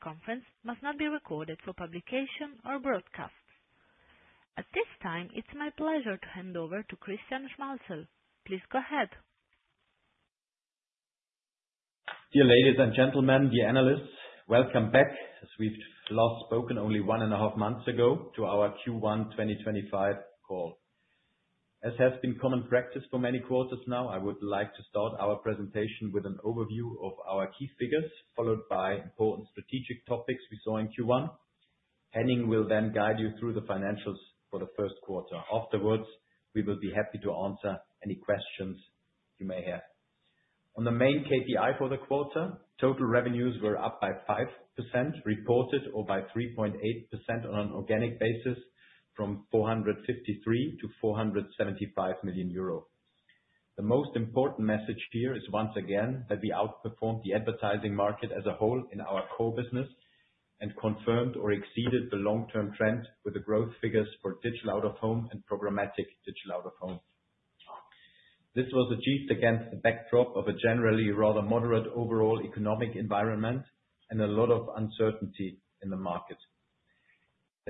The conference must not be recorded for publication or broadcast. At this time, it's my pleasure to hand over to Christian Schmalzl. Please go ahead. Dear ladies and gentlemen, dear analysts, welcome back. As we've last spoken only one and a half months ago, to our Q1 2025 call. As has been common practice for many quarters now, I would like to start our presentation with an overview of our key figures, followed by important strategic topics we saw in Q1. Henning will then guide you through the financials for the first quarter. Afterwards, we will be happy to answer any questions you may have. On the main KPI for the quarter, total revenues were up by 5% reported or by 3.8% on an organic basis, from 453 million to 475 million euro. The most important message here is, once again, that we outperformed the advertising market as a whole in our core business and confirmed or exceeded the long-term trend with the growth figures for Digital Out-of-Home and Programmatic Digital Out-of-Home. This was achieved against the backdrop of a generally rather moderate overall economic environment and a lot of uncertainty in the market.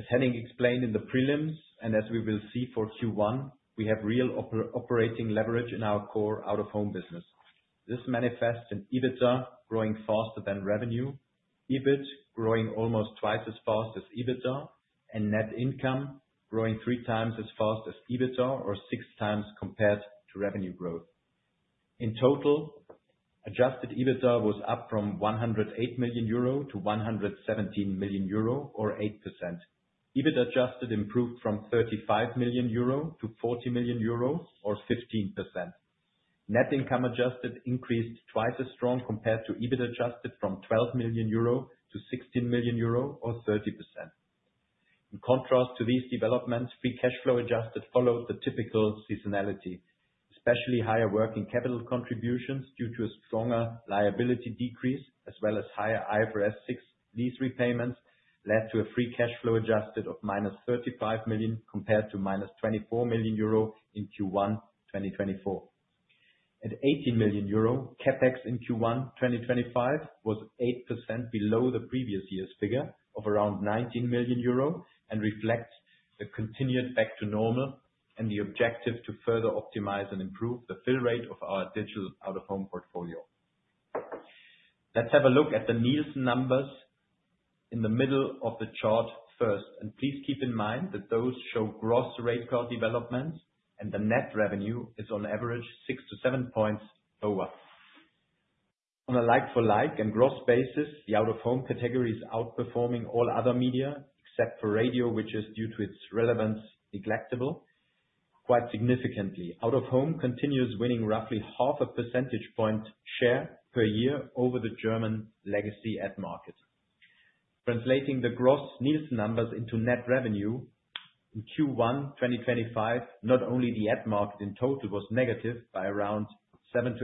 As Henning explained in the prelims, and as we will see for Q1, we have real operating leverage in our core Out-of-Home business. This manifests in EBITDA growing faster than revenue, EBIT growing almost twice as fast as EBITDA, and net income growing three times as fast as EBITDA or 6x compared to revenue growth. In total, adjusted EBITDA was up from 108 million euro to 117 million euro or 8%. EBIT adjusted improved from 35 million euro to 40 million euro or 15%. Net income adjusted increased twice as strong compared to EBIT adjusted from 12 million euro to 16 million euro or 30%. In contrast to these developments, free cash flow adjusted followed the typical seasonality, especially higher working capital contributions due to a stronger liability decrease, as well as higher IFRS 16 lease repayments, led to a free cash flow adjusted of minus 35 million compared to minus 24 million euro in Q1 2024. At 18 million euro, CapEx in Q1 2025 was 8% below the previous year's figure of around 19 million euro and reflects the continued back to normal and the objective to further optimize and improve the fill rate of our Digital Out-of-Home portfolio. Let's have a look at the Nielsen numbers in the middle of the chart first. Please keep in mind that those show gross rate card developments, and the net revenue is on average 6-7 points lower. On a like-for-like and gross basis, the Out-of-Home category is outperforming all other media except for radio, which is, due to its relevance, neglectable quite significantly. Out-of-Home continues winning roughly half a percentage point share per year over the German legacy ad market. Translating the gross Nielsen numbers into net revenue, in Q1 2025, not only the ad market in total was negative by around 7%-8%,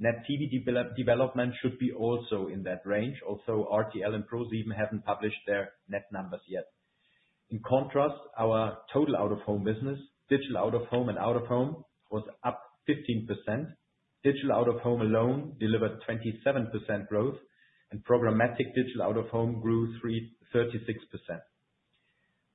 net TV development should be also in that range, although RTL and ProSieben have not published their net numbers yet. In contrast, our total Out-of-Home business, Digital Out-of-Home and Out-of-Home, was up 15%. Digital Out-of-Home alone delivered 27% growth, Programmatic Digital Out-of-Home grew 36%.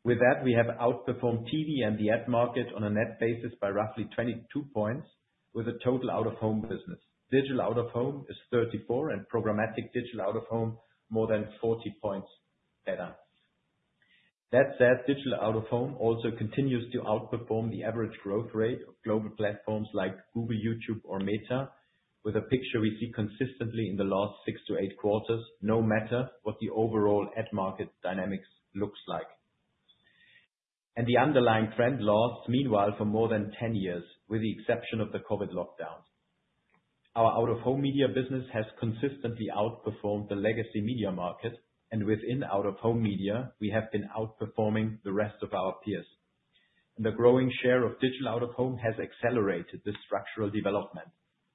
With that, we have outperformed TV and the ad market on a net basis by roughly 22 percentage points with a total Out-of-Home business. Digital Out-of-Home is 34, Programmatic Digital Out-of-Home more than 40 percentage points better. That said, Digital Out-of-Home also continues to outperform the average growth rate of global platforms like Google, YouTube, or Meta, with a picture we see consistently in the last six to eight quarters, no matter what the overall ad market dynamics looks like. The underlying trend lasts, meanwhile, for more than 10 years, with the exception of the COVID lockdown. Our Out-of-Home media business has consistently outperformed the legacy media market, and within Out-of-Home media, we have been outperforming the rest of our peers. The growing share of Digital Out-of-Home has accelerated this structural development.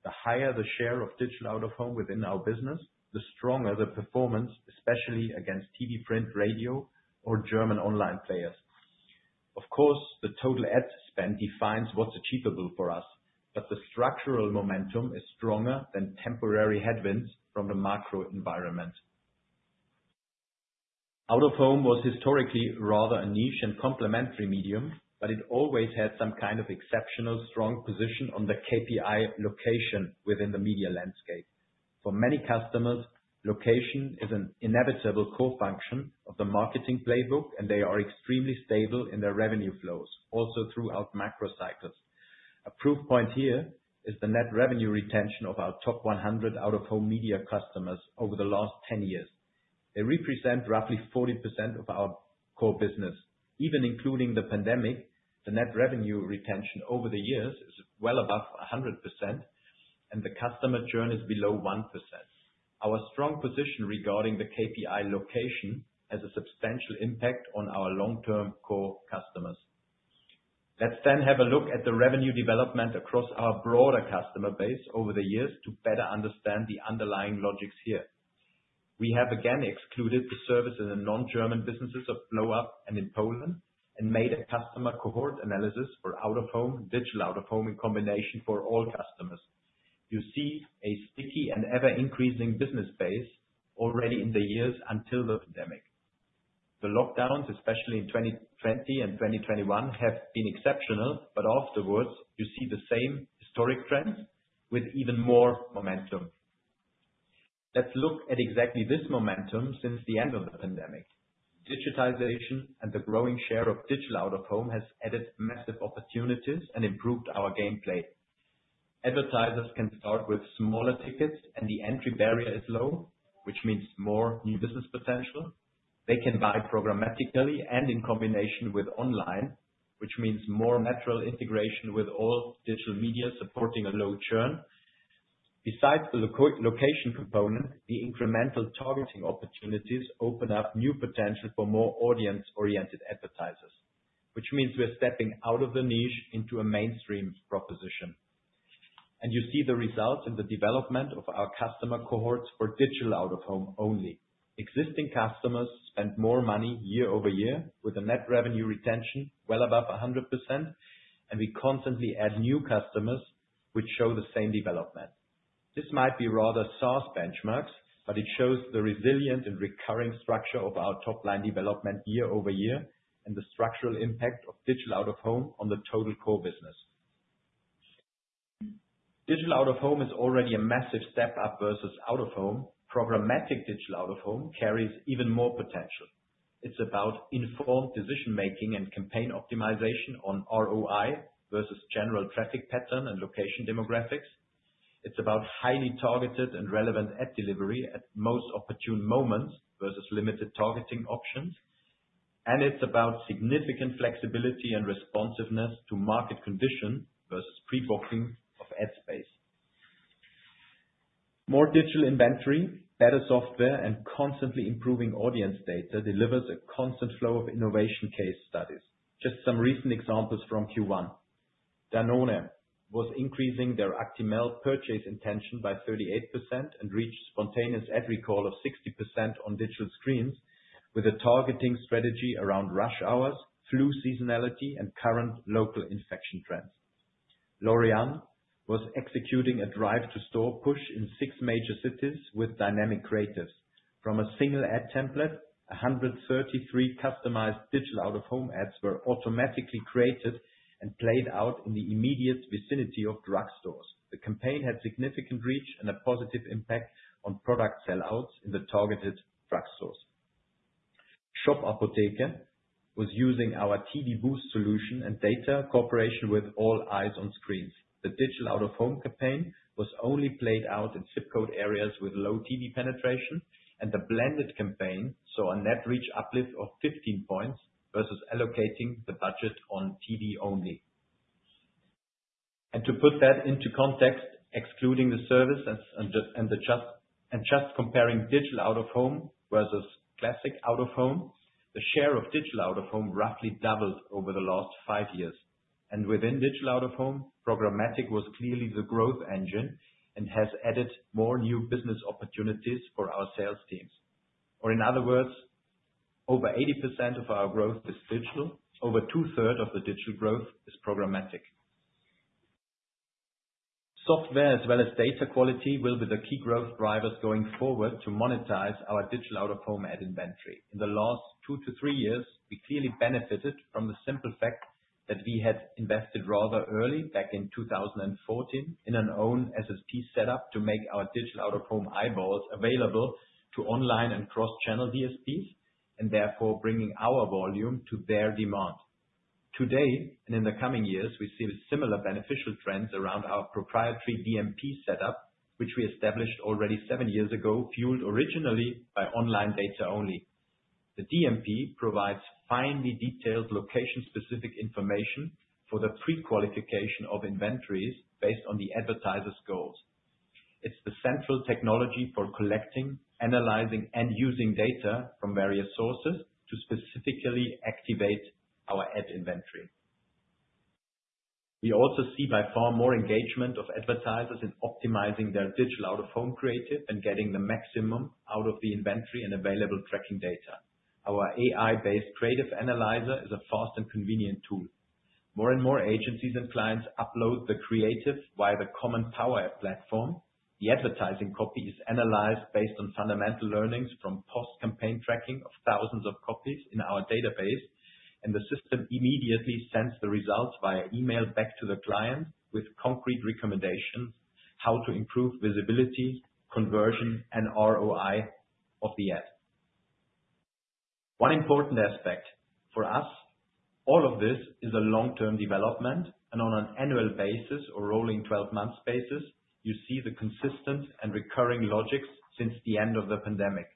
The higher the share of Digital Out-of-Home within our business, the stronger the performance, especially against TV, print, radio, or German online players. Of course, the total ad spend defines what's achievable for us, but the structural momentum is stronger than temporary headwinds from the macro environment. Out-of-Home was historically rather a niche and complementary medium, but it always had some kind of exceptional strong position on the KPI location within the media landscape. For many customers, location is an inevitable core function of the marketing playbook, and they are extremely stable in their revenue flows, also throughout macro cycles. A proof point here is the net revenue retention of our top 100 Out-of-Home media customers over the last 10 years. They represent roughly 40% of our core business. Even including the pandemic, the net revenue retention over the years is well above 100%, and the customer churn is below 1%. Our strong position regarding the KPI location has a substantial impact on our long-term core customers. Let's then have a look at the revenue development across our broader customer base over the years to better understand the underlying logics here. We have again excluded the service in the non-German businesses of Blow-Up and in Poland and made a customer cohort analysis for Out-of-Home, Digital Out-of-Home in combination for all customers. You see a sticky and ever-increasing business base already in the years until the pandemic. The lockdowns, especially in 2020 and 2021, have been exceptional, but afterwards, you see the same historic trends with even more momentum. Let's look at exactly this momentum since the end of the pandemic. Digitization and the growing share of Digital Out-of-Home has added massive opportunities and improved our gameplay. Advertisers can start with smaller tickets, and the entry barrier is low, which means more new business potential. They can buy Programmatically and in combination with online, which means more natural integration with all digital media supporting a low churn. Besides the location component, the incremental targeting opportunities open up new potential for more audience-oriented advertisers, which means we're stepping out of the niche into a mainstream proposition. You see the results in the development of our customer cohorts for Digital Out-of-Home only. Existing customers spend more money year-over-year with a net revenue retention well above 100%, and we constantly add new customers, which show the same development. This might be rather source benchmarks, but it shows the resilient and recurring structure of our top-line development year-over-year and the structural impact of Digital Out-of-Home on the total core business. Digital Out-of-Home is already a massive step up versus Out-of-Home. Programmatic Digital Out-of-Home carries even more potential. It's about informed decision-making and campaign optimization on ROI versus general traffic pattern and location demographics. It's about highly targeted and relevant ad delivery at most opportune moments versus limited targeting options. It is about significant flexibility and responsiveness to market conditions versus pre-booking of ad space. More digital inventory, better software, and constantly improving audience data delivers a constant flow of innovation case studies. Just some recent examples from Q1. Danone was increasing their Actimel purchase intention by 38% and reached spontaneous ad recall of 60% on digital screens with a targeting strategy around rush hours, flu seasonality, and current local infection trends. L'Oréal was executing a drive-to-store push in six major cities with dynamic creatives. From a single ad template, 133 customized Digital Out-of-Home ads were automatically created and played out in the immediate vicinity of drug stores. The campaign had significant reach and a positive impact on product sellouts in the targeted drug stores. Shop Apotheke was using our TV boost solution and data cooperation with All Eyes on Screens. The Digital Out-of-Home campaign was only played out in zip code areas with low TV penetration, and the blended campaign saw a net reach uplift of 15 percentage points versus allocating the budget on TV only. To put that into context, excluding the service and just comparing Digital Out-of-Home versus classic Out-of-Home, the share of Digital Out-of-Home roughly doubled over the last five years. Within Digital Out-of-Home, Programmatic was clearly the growth engine and has added more new business opportunities for our sales teams. Over 80% of our growth is digital. Over two-thirds of the digital growth is Programmatic. Software, as well as data quality, will be the key growth drivers going forward to monetize our Digital Out-of-Home ad inventory. In the last two to three years, we clearly benefited from the simple fact that we had invested rather early, back in 2014, in an own SSP setup to make our Digital Out-of-Home eyeballs available to online and cross-channel DSPs and therefore bringing our volume to their demand. Today, and in the coming years, we see similar beneficial trends around our proprietary DMP setup, which we established already seven years ago, fueled originally by online data only. The DMP provides finely detailed location-specific information for the pre-qualification of inventories based on the advertisers' goals. It is the central technology for collecting, analyzing, and using data from various sources to specifically activate our ad inventory. We also see by far more engagement of advertisers in optimizing their Digital Out-of-Home creative and getting the maximum out of the inventory and available tracking data. Our AI-based creative analyzer is a fast and convenient tool. More and more agencies and clients upload the creative via the common Power App platform. The advertising copy is analyzed based on fundamental learnings from post-campaign tracking of thousands of copies in our database, and the system immediately sends the results via email back to the client with concrete recommendations on how to improve visibility, conversion, and ROI of the ad. One important aspect for us, all of this is a long-term development, and on an annual basis or rolling 12-month basis, you see the consistent and recurring logics since the end of the pandemic.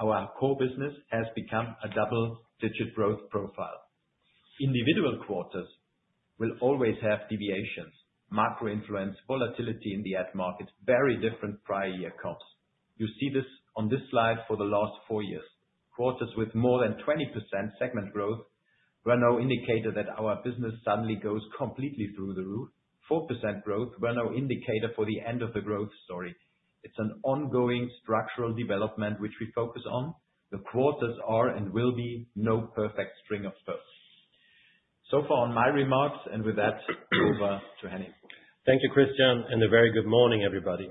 Our core business has become a double-digit growth profile. Individual quarters will always have deviations, macro-influence, volatility in the ad market, very different prior year comps. You see this on this slide for the last four years. Quarters with more than 20% segment growth were no indicator that our business suddenly goes completely through the roof. 4% growth were no indicator for the end of the growth story. It is an ongoing structural development, which we focus on. The quarters are and will be no perfect string of spokes. So far on my remarks, and with that, over to Henning. Thank you, Christian, and a very good morning, everybody.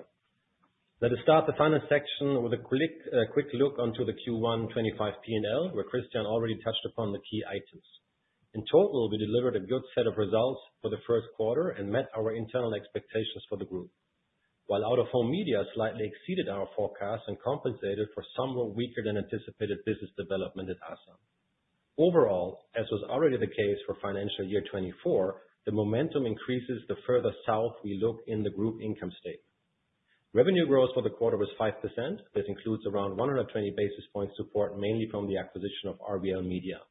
Let us start the final section with a quick look onto the Q1 2025 P&L, where Christian already touched upon the key items. In total, we delivered a good set of results for the first quarter and met our internal expectations for the group, while Out-of-Home media slightly exceeded our forecasts and compensated for somewhat weaker than anticipated business development at Asam. Overall, as was already the case for financial year 2024, the momentum increases the further south we look in the group income statement. Revenue growth for the quarter was 5%. This includes around 120 basis points support mainly from the acquisition of RBL Media.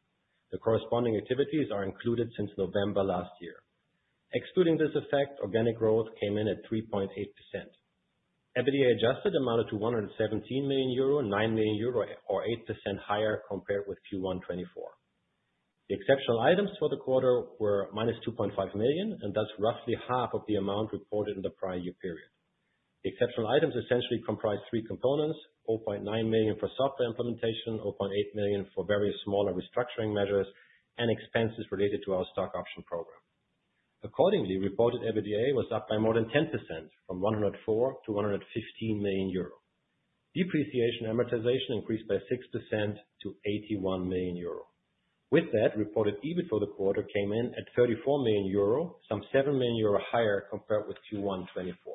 The corresponding activities are included since November last year. Excluding this effect, organic growth came in at 3.8%. EBITDA adjusted amounted to 117 million euro, 9 million euro, or 8% higher compared with Q1 2024. The exceptional items for the quarter were -2.5 million, and that is roughly half of the amount reported in the prior year period. The exceptional items essentially comprise three components: 0.9 million for software implementation, 0.8 million for various smaller restructuring measures, and expenses related to our stock option program. Accordingly, reported EBITDA was up by more than 10%, from 104 million to 115 million euro. Depreciation and amortization increased by 6% to 81 million euro. With that, reported EBIT for the quarter came in at 34 million euro, some 7 million euro higher compared with Q1 2024.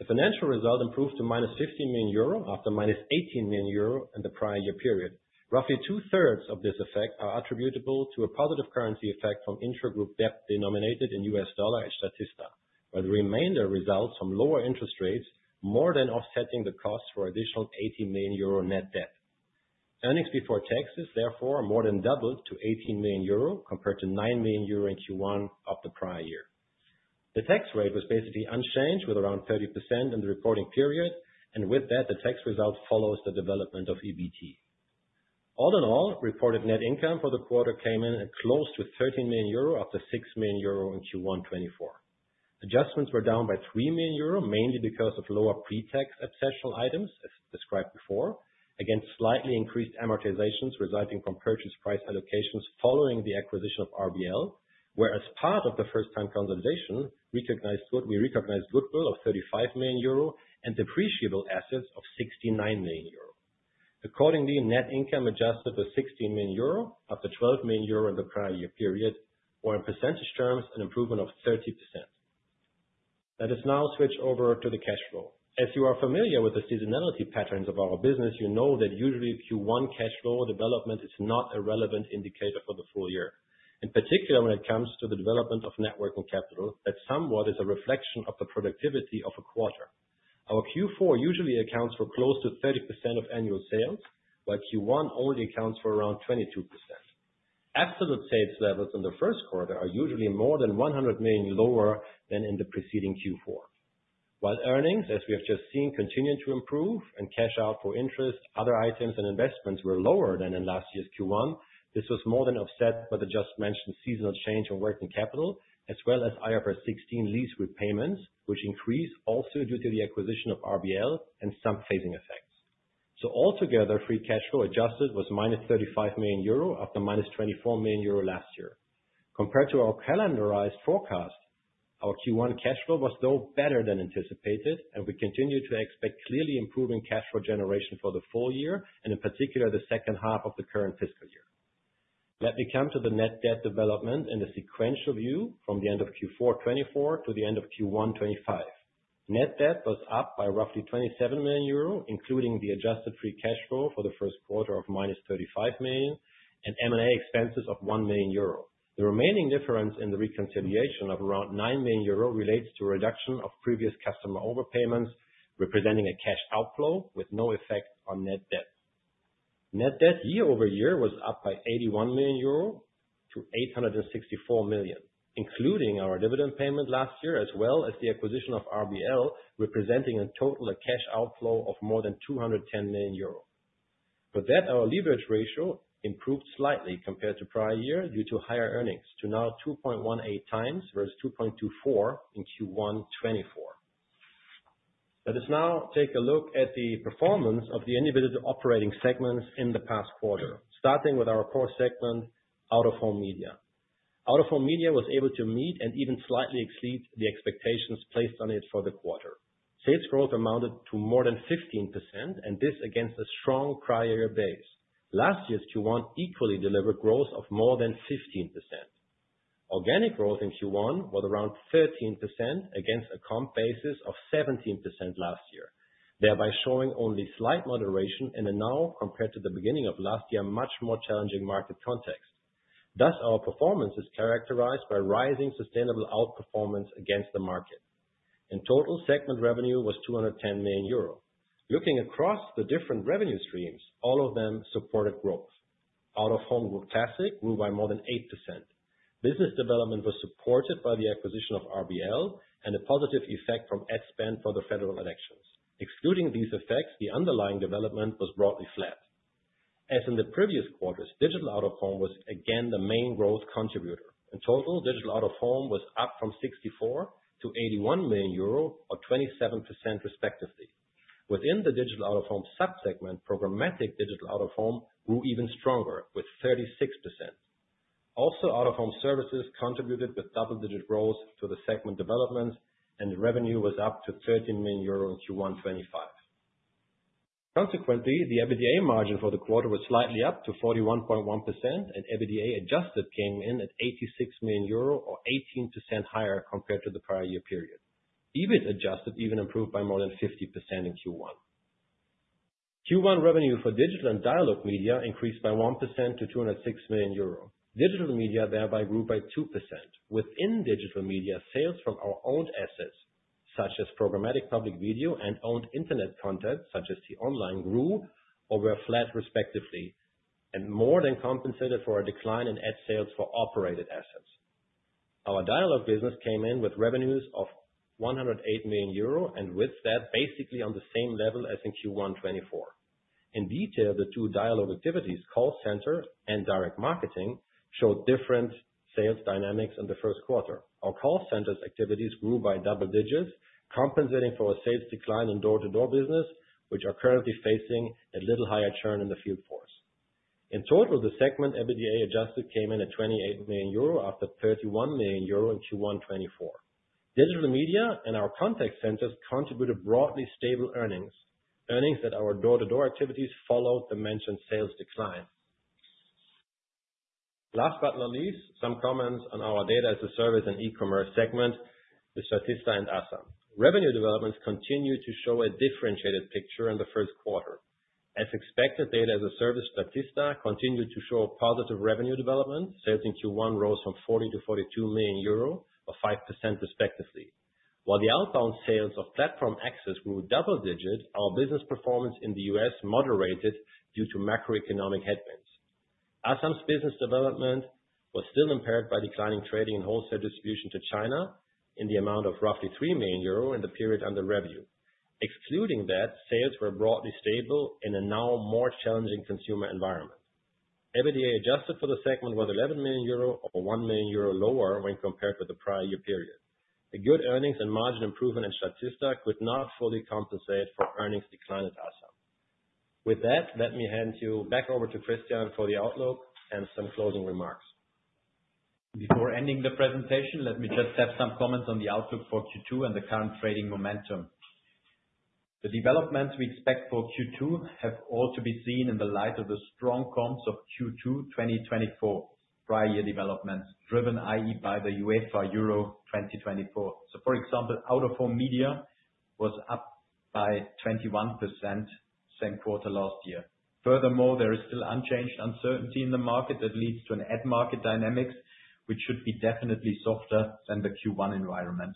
The financial result improved to -15 million euro after -18 million euro in the prior year period. Roughly two-thirds of this effect are attributable to a positive currency effect from intragroup debt denominated in U.S. dollars at Statista, while the remainder results from lower interest rates more than offsetting the cost for additional 80 million euro net debt. Earnings before taxes, therefore, more than doubled to 18 million euro compared to 9 million euro in Q1 of the prior year. The tax rate was basically unchanged with around 30% in the reporting period, and with that, the tax result follows the development of EBT. All in all, reported net income for the quarter came in at close to 13 million euro after 6 million euro in Q1 2024. Adjustments were down by 3 million euro, mainly because of lower pre-tax exceptional items, as described before, against slightly increased amortizations resulting from purchase price allocations following the acquisition of RBL Media, whereas part of the first-time consolidation recognized goodwill of 35 million euro and depreciable assets of 69 million euro. Accordingly, net income adjusted was 16 million euro after 12 million euro in the prior year period, or in percentage terms, an improvement of 30%. Let us now switch over to the cash flow. As you are familiar with the seasonality patterns of our business, you know that usually Q1 cash flow development is not a relevant indicator for the full year, in particular when it comes to the development of networking capital that somewhat is a reflection of the productivity of a quarter. Our Q4 usually accounts for close to 30% of annual sales, while Q1 only accounts for around 22%. Absolute sales levels in the first quarter are usually more than 100 million lower than in the preceding Q4. While earnings, as we have just seen, continue to improve and cash out for interest, other items and investments were lower than in last year's Q1. This was more than offset by the just-mentioned seasonal change in working capital, as well as IFRS 16 lease repayments, which increased also due to the acquisition of RBL Media and some phasing effects. Altogether, free cash flow adjusted was -35 million euro after -24 million euro last year. Compared to our calendarized forecast, our Q1 cash flow was no better than anticipated, and we continue to expect clearly improving cash flow generation for the full year and, in particular, the second half of the current fiscal year. Let me come to the net debt development in the sequential view from the end of Q4 2024 to the end of Q1 2025. Net debt was up by roughly 27 million euro, including the adjusted free cash flow for the first quarter of -35 million and M&A expenses of 1 million euro. The remaining difference in the reconciliation of around 9 million euro relates to a reduction of previous customer overpayments representing a cash outflow with no effect on net debt. Net debt year-over-year was up by 81 million-864 million euro, including our dividend payment last year, as well as the acquisition of RBL Media, representing in total a cash outflow of more than 210 million euros. With that, our leverage ratio improved slightly compared to prior year due to higher earnings to now 2.18x versus 2.24x in Q1 2024. Let us now take a look at the performance of the individual operating segments in the past quarter, starting with our core segment, Out-of-Home media. Out-of-Home media was able to meet and even slightly exceed the expectations placed on it for the quarter. Sales growth amounted to more than 15%, and this against a strong prior year base. Last year's Q1 equally delivered growth of more than 15%. Organic growth in Q1 was around 13% against a comp basis of 17% last year, thereby showing only slight moderation in a now, compared to the beginning of last year, much more challenging market context. Thus, our performance is characterized by rising sustainable outperformance against the market. In total, segment revenue was 210 million euro. Looking across the different revenue streams, all of them supported growth. Out-of-Home grew classic, grew by more than 8%. Business development was supported by the acquisition of RBL Media and a positive effect from ad spend for the federal elections. Excluding these effects, the underlying development was broadly flat. As in the previous quarters, Digital Out-of-Home was again the main growth contributor. In total, Digital Out-of-Home was up from 64 million to 81 million euro, or 27% respectively. Within the Digital Out-of-Home Programmatic Digital Out-of-Home grew even stronger with 36%. Also, Out-of-Home services contributed with double-digit growth to the segment development, and the revenue was up to 30 million euros in Q1 2025. Consequently, the EBITDA margin for the quarter was slightly up to 41.1%, and EBITDA adjusted came in at 86 million euro, or 18% higher compared to the prior year period. EBIT adjusted even improved by more than 50% in Q1. Q1 revenue for digital and dialogue media increased by 1% to 206 million euro. Digital media thereby grew by 2%. Within digital media, sales from our owned assets, such as Programmatic public video and owned internet content, such as t-online, grew or were flat, respectively, and more than compensated for a decline in ad sales for operated assets. Our dialogue business came in with revenues of 108 million euro, and with that, basically on the same level as in Q1 2024. In detail, the two dialogue activities, call center and direct marketing, showed different sales dynamics in the first quarter. Our call center's activities grew by double digits, compensating for a sales decline in door-to-door business, which are currently facing a little higher churn in the field force. In total, the segment EBITDA adjusted came in at 28 million euro after 31 million euro in Q1 2024. Digital media and our contact centers contributed broadly stable earnings, earnings that our door-to-door activities followed the mentioned sales decline. Last but not least, some comments on our data as a service and e-commerce segment with Statista and Asam. Revenue developments continue to show a differentiated picture in the first quarter. As expected, data as a service Statista continued to show positive revenue development. Sales in Q1 rose from 40 million to 42 million euro, or 5% respectively. While the outbound sales of platform access grew double-digit, our business performance in the U.S. moderated due to macroeconomic headwinds. Asam's business development was still impaired by declining trading and wholesale distribution to China in the amount of roughly 3 million euro in the period under revenue. Excluding that, sales were broadly stable in a now more challenging consumer environment. EBITDA adjusted for the segment was 11 million euro, or 1 million euro lower when compared with the prior year period. The good earnings and margin improvement in Statista could not fully compensate for earnings decline at Asam. With that, let me hand you back over to Christian for the outlook and some closing remarks. Before ending the presentation, let me just have some comments on the outlook for Q2 and the current trading momentum. The developments we expect for Q2 have all to be seen in the light of the strong comps of Q2 2024 prior year developments driven, i.e., by the EUFA EURO 2024. For example, Out-of-Home media was up by 21% same quarter last year. Furthermore, there is still unchanged uncertainty in the market that leads to an ad market dynamic, which should be definitely softer than the Q1 environment.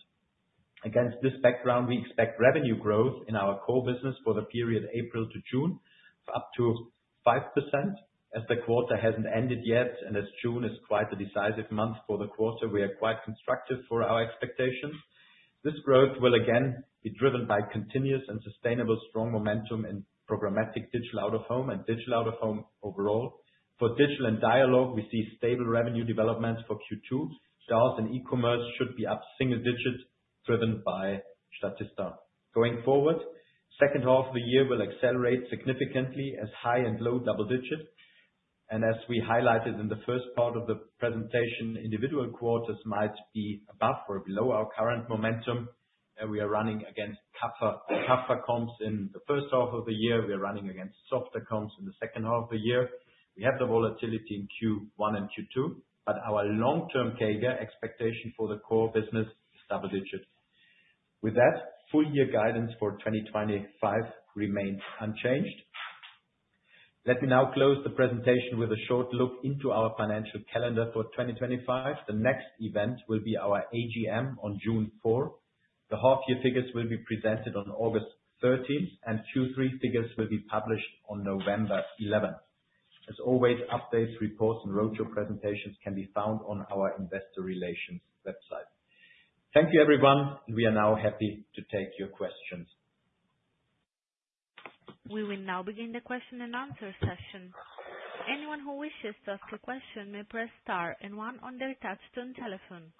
Against this background, we expect revenue growth in our core business for the period April to June of up to 5%, as the quarter has not ended yet and as June is quite a decisive month for the quarter. We are quite constructive for our expectations. This growth will again be driven by continuous and sustainable strong momentum Programmatic Digital Out-of-Home and Digital Out-of-Home overall. For digital and dialogue, we see stable revenue developments for Q2. Stores and e-commerce should be up single digit, driven by Statista. Going forward, the second half of the year will accelerate significantly as high and low double digit. As we highlighted in the first part of the presentation, individual quarters might be above or below our current momentum. We are running against tougher comps in the first half of the year. We are running against softer comps in the second half of the year. We have the volatility in Q1 and Q2, but our long-term CAGR expectation for the core business is double digit. With that, full year guidance for 2025 remains unchanged. Let me now close the presentation with a short look into our financial calendar for 2025. The next event will be our AGM on June 4. The half-year figures will be presented on August 13, and Q3 figures will be published on November 11. As always, updates, reports, and roadshow presentations can be found on our investor relations website. Thank you, everyone. We are now happy to take your questions. We will now begin the question-and-answer session. Anyone who wishes to ask a question may press star and one on their touchstone telephone.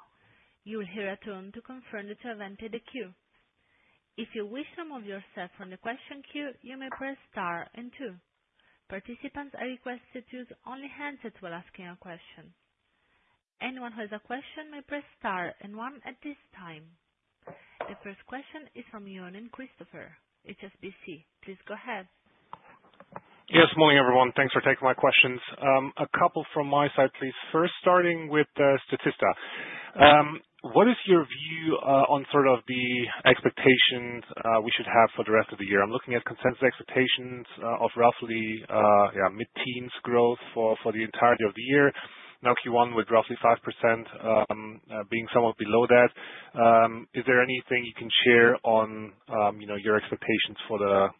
You will hear a tone to confirm that you have entered the queue. If you wish some of yourself from the question queue, you may press star and two. Participants are requested to use only handsets while asking a question. Anyone who has a question may press star and one at this time. The first question is from Johnen Christopher, HSBC. Please go ahead. Yes. Morning, everyone. Thanks for taking my questions. A couple from my side, please. First, starting with Statista. What is your view on sort of the expectations we should have for the rest of the year? I'm looking at consensus expectations of roughly mid-teens growth for the entirety of the year. Now, Q1 with roughly 5% being somewhat below that. Is there anything you can share on your expectations for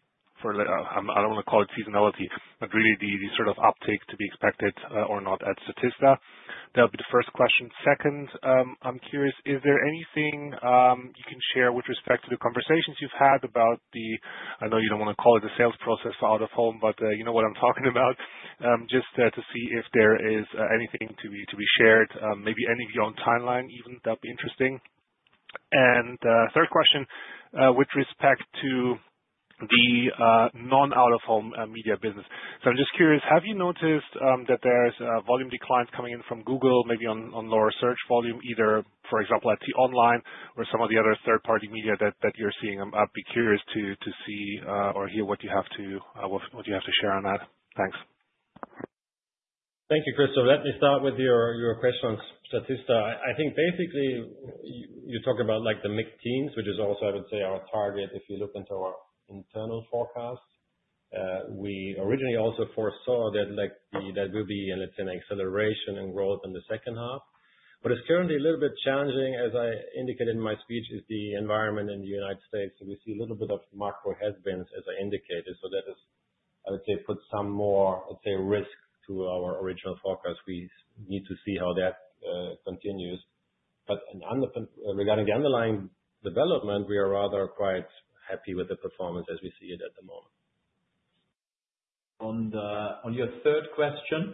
the—I don't want to call it seasonality, but really the sort of uptake to be expected or not at Statista? That would be the first question. Second, I'm curious, is there anything you can share with respect to the conversations you've had about the—I know you don't want to call it the sales process for Out-of-Home, but you know what I'm talking about—just to see if there is anything to be shared, maybe any of your own timeline even, that would be interesting. Third question, with respect to the non-Out-of-Home media business. I'm just curious, have you noticed that there's volume declines coming in from Google, maybe on lower search volume, either, for example, at t-online or some of the other third-party media that you're seeing? I'd be curious to see or hear what you have to—what you have to share on that. Thanks. Thank you, Christopher. Let me start with your question on Statista. I think, basically, you're talking about the mid-teens, which is also, I would say, our target if you look into our internal forecast. We originally also foresaw that there will be, let's say, an acceleration in growth in the second half. What is currently a little bit challenging, as I indicated in my speech, is the environment in the United States. We see a little bit of macro headwinds, as I indicated. That has, I would say, put some more, let's say, risk to our original forecast. We need to see how that continues. Regarding the underlying development, we are rather quite happy with the performance as we see it at the moment. On your third question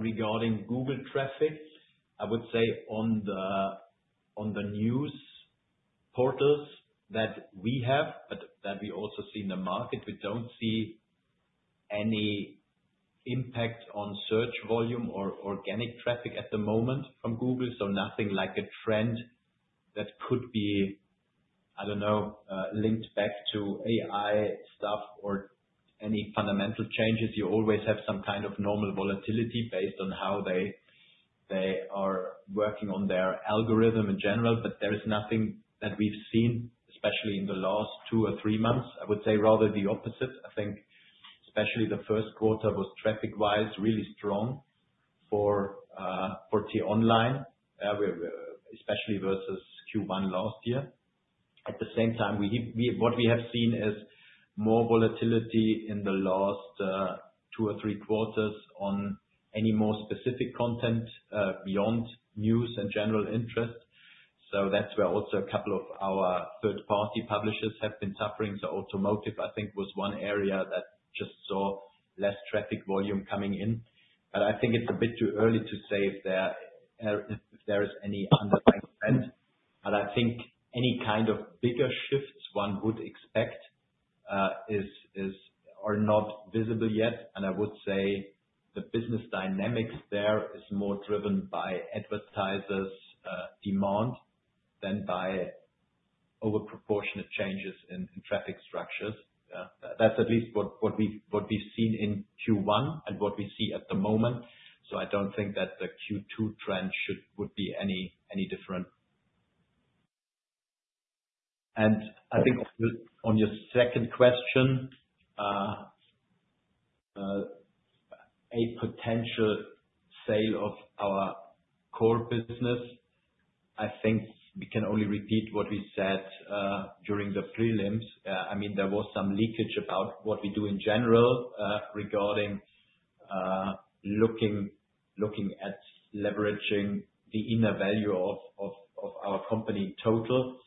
regarding Google traffic, I would say on the news portals that we have, but that we also see in the market, we do not see any impact on search volume or organic traffic at the moment from Google. Nothing like a trend that could be, I do not know, linked back to AI stuff or any fundamental changes. You always have some kind of normal volatility based on how they are working on their algorithm in general. There is nothing that we have seen, especially in the last two or three months. I would say rather the opposite. I think, especially the first quarter was traffic-wise really strong for t-online, especially versus Q1 last year. At the same time, what we have seen is more volatility in the last two or three quarters on any more specific content beyond news and general interest. That's where also a couple of our third-party publishers have been suffering. Automotive, I think, was one area that just saw less traffic volume coming in. I think it's a bit too early to say if there is any underlying trend. I think any kind of bigger shifts one would expect are not visible yet. I would say the business dynamics there is more driven by advertisers' demand than by overproportionate changes in traffic structures. That's at least what we've seen in Q1 and what we see at the moment. I don't think that the Q2 trend would be any different. I think on your second question, a potential sale of our core business, I think we can only repeat what we said during the prelims. I mean, there was some leakage about what we do in general regarding looking at leveraging the inner value of our company total.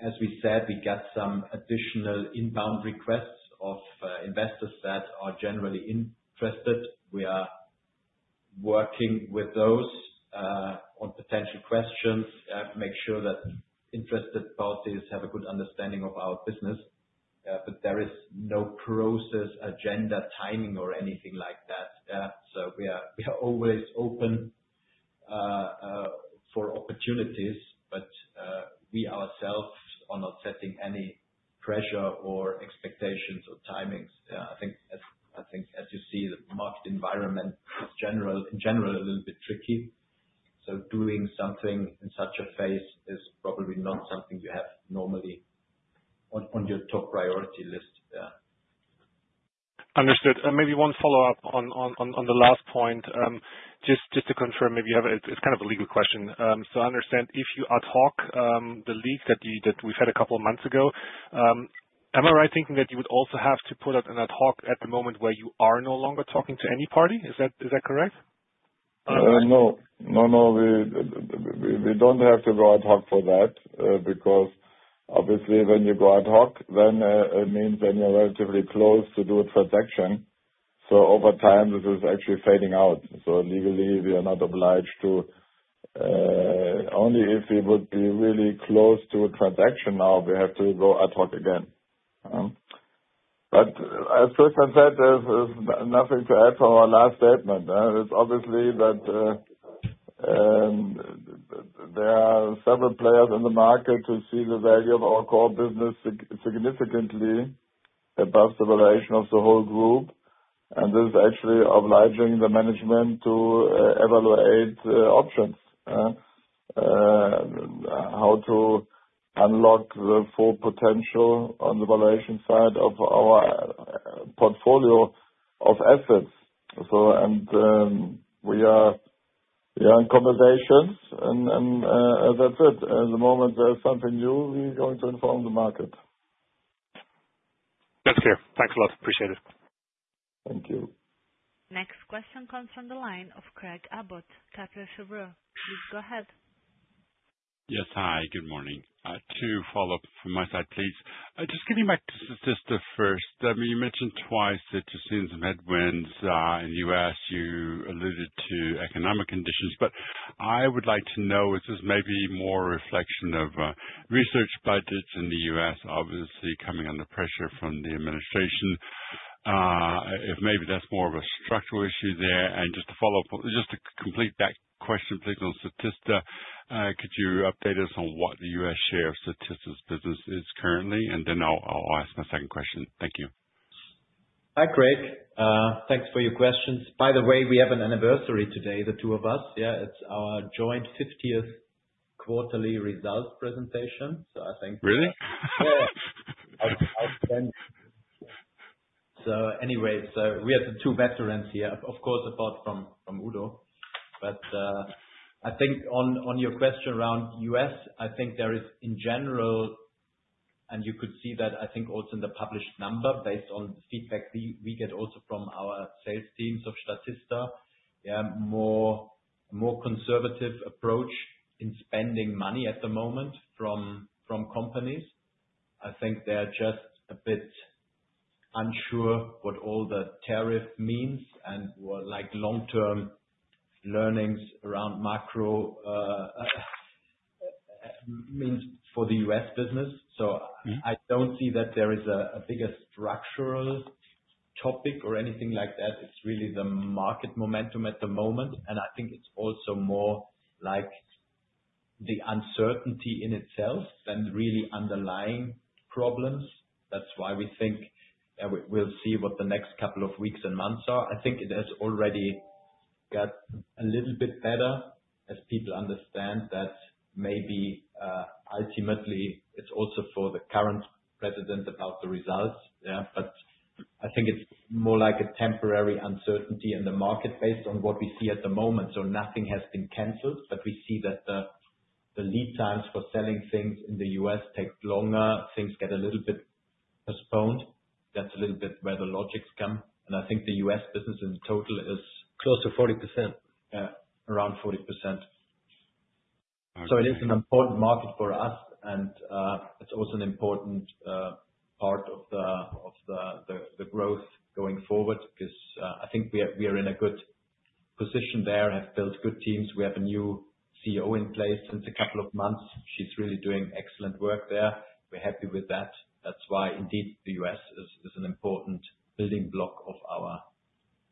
As we said, we got some additional inbound requests of investors that are generally interested. We are working with those on potential questions to make sure that interested parties have a good understanding of our business. There is no process agenda timing or anything like that. We are always open for opportunities, but we ourselves are not setting any pressure or expectations or timings. I think, as you see, the market environment is, in general, a little bit tricky. Doing something in such a phase is probably not something you have normally on your top priority list. Understood. Maybe one follow-up on the last point, just to confirm, maybe it's kind of a legal question. I understand if you ad hoc the leak that we've had a couple of months ago, am I right thinking that you would also have to put out an ad hoc at the moment where you are no longer talking to any party? Is that correct? No. No, no. We don't have to go ad hoc for that because, obviously, when you go ad hoc, then it means you're relatively close to do a transaction. Over time, this is actually fading out. Legally, we are not obliged to, only if we would be really close to a transaction. Now, we have to go ad hoc again. As Christopher said, there's nothing to add from our last statement. It's obvious that there are several players in the market who see the value of our core business significantly above the valuation of the whole group. This is actually obliging the management to evaluate options, how to unlock the full potential on the valuation side of our portfolio of assets. We are in conversations, and that's it. At the moment, if there's something new, we're going to inform the market. That's clear. Thanks a lot. Appreciate it. Thank you. Next question comes from the line of Craig Abbott, Kepler Cheuvreux. Please go ahead. Yes. Hi. Good morning. Two follow-ups from my side, please. Just getting back to Statista first. I mean, you mentioned twice that you've seen some headwinds in the U.S. You alluded to economic conditions. I would like to know, is this maybe more a reflection of research budgets in the U.S., obviously coming under pressure from the administration? If maybe that's more of a structural issue there. Just to follow up, just to complete that question, please, on Statista, could you update us on what the U.S. share of Statista's business is currently? Then I'll ask my second question. Thank you. Hi, Craig. Thanks for your questions. By the way, we have an anniversary today, the two of us. Yeah. It is our joint 50th quarterly results presentation. I think. Really? Yeah. Anyway, we have the two veterans here, of course, apart from Udo. I think on your question around U.S., I think there is, in general, and you could see that, I think, also in the published number based on feedback we get also from our sales teams of Statista, a more conservative approach in spending money at the moment from companies. I think they're just a bit unsure what all the tariff means and what long-term learnings around macro means for the U.S. business. I do not see that there is a bigger structural topic or anything like that. It is really the market momentum at the moment. I think it is also more like the uncertainty in itself than really underlying problems. That is why we think we will see what the next couple of weeks and months are. I think it has already got a little bit better as people understand that maybe ultimately it is also for the current president about the results. I think it is more like a temporary uncertainty in the market based on what we see at the moment. Nothing has been canceled. We see that the lead times for selling things in the U.S. take longer. Things get a little bit postponed. That's a little bit where the logics come. I think the U.S. business in total is close to 40%, around 40%. It is an important market for us. It is also an important part of the growth going forward because I think we are in a good position there, have built good teams. We have a new CEO in place since a couple of months. She's really doing excellent work there. We're happy with that. That's why, indeed, the U.S. is an important building block of our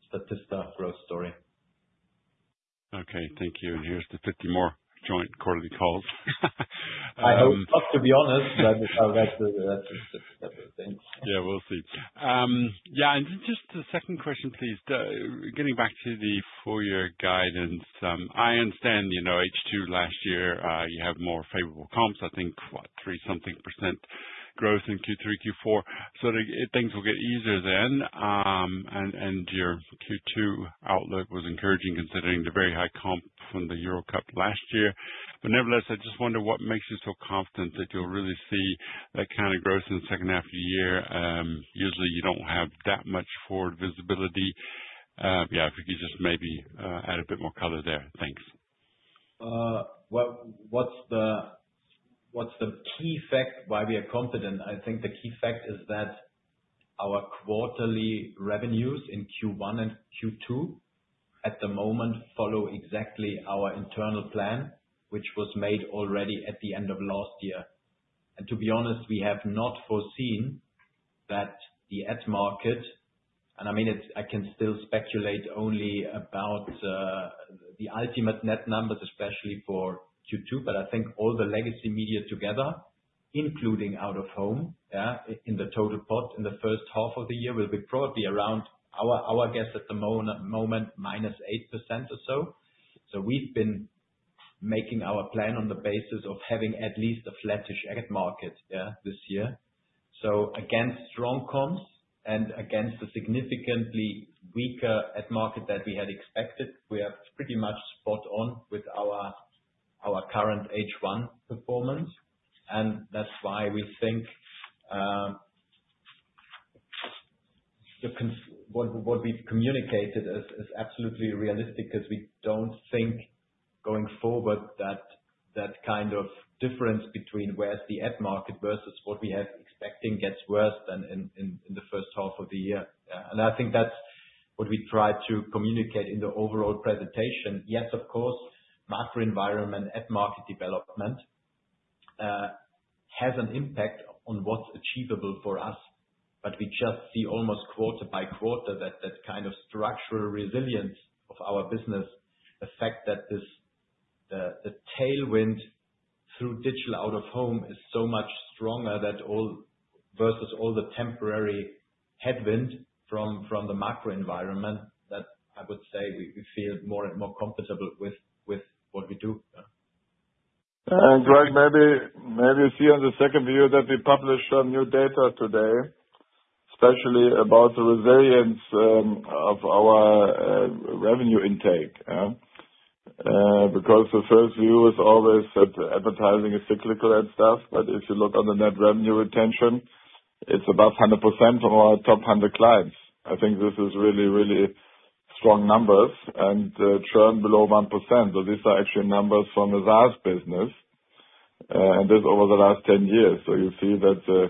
Statista growth story. Okay. Thank you. Here's to 50 more joint quarterly calls. I hope, to be honest, that's it. Yeah. We'll see. Yeah. Just the second question, please. Getting back to the four-year guidance, I understand H2 last year, you have more favorable comps, I think, what, 3-something percent growth in Q3, Q4. Things will get easier then. Your Q2 outlook was encouraging considering the very high comp from the Eurocup last year. Nevertheless, I just wonder what makes you so confident that you'll really see that kind of growth in the second half of the year. Usually, you do not have that much forward visibility. Yeah. If you could just maybe add a bit more color there. Thanks. What's the key fact why we are confident? I think the key fact is that our quarterly revenues in Q1 and Q2 at the moment follow exactly our internal plan, which was made already at the end of last year. To be honest, we have not foreseen that the ad market, and I mean, I can still speculate only about the ultimate net numbers, especially for Q2, but I think all the legacy media together, including Out-of-Home, in the total pot in the first half of the year will be probably around, our guess at the moment, -8% or so. We have been making our plan on the basis of having at least a flattish ad market this year. Against strong comps and against the significantly weaker ad market that we had expected, we have pretty much spot on with our current H1 performance. That is why we think what we have communicated is absolutely realistic because we do not think going forward that kind of difference between where the ad market is versus what we have been expecting gets worse than in the first half of the year. I think that's what we tried to communicate in the overall presentation. Yes, of course, macro environment, ad market development has an impact on what's achievable for us. We just see almost quarter by quarter that that kind of structural resilience of our business affects that the tailwind through Digital Out-of-Home is so much stronger versus all the temporary headwind from the macro environment that I would say we feel more and more comfortable with what we do. Craig, maybe you see on the second view that we published some new data today, especially about the resilience of our revenue intake. The first view was always that advertising is cyclical and stuff. If you look on the net revenue retention, it's above 100% from our top 100 clients. I think this is really, really strong numbers and churn below 1%. These are actually numbers from the SaaS business, and this over the last 10 years. You see that the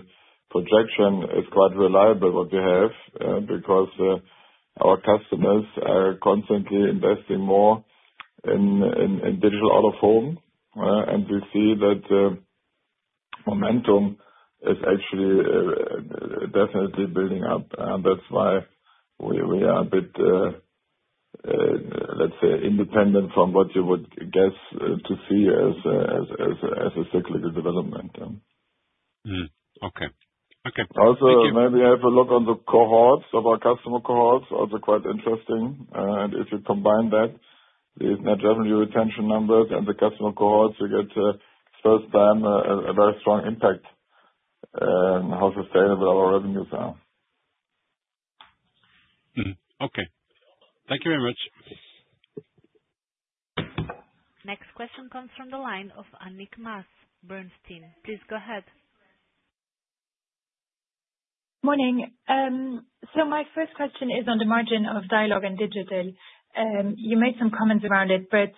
projection is quite reliable, what we have, because our customers are constantly investing more in Digital Out-of-Home. We see that momentum is actually definitely building up. That is why we are a bit, let's say, independent from what you would guess to see as a cyclical development. Okay. Thank you. Also, maybe have a look on the cohorts of our customer cohorts. Also quite interesting. If you combine that, these net revenue retention numbers and the customer cohorts, you get first time a very strong impact on how sustainable our revenues are. Okay. Thank you very much. Next question comes from the line of Annick Maas Bernstein. Please go ahead. Morning. My first question is on the margin of dialogue and digital. You made some comments around it, but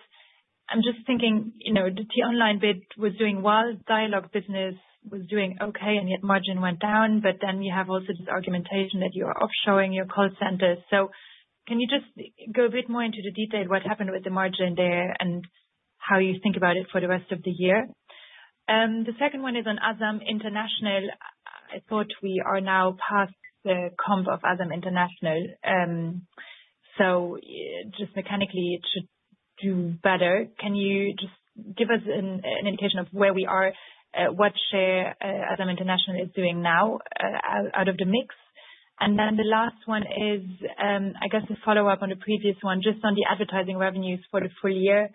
I'm just thinking the online bid was doing well, dialogue business was doing okay, yet margin went down. We have also this argumentation that you are offshoring your call centers. Can you just go a bit more into the detail what happened with the margin there and how you think about it for the rest of the year? The second one is on Asam International. I thought we are now past the comp of Asam International. Just mechanically, it should do better. Can you just give us an indication of where we are, what share Asam International is doing now out of the mix? The last one is, I guess, a follow-up on the previous one, just on the advertising revenues for the full year.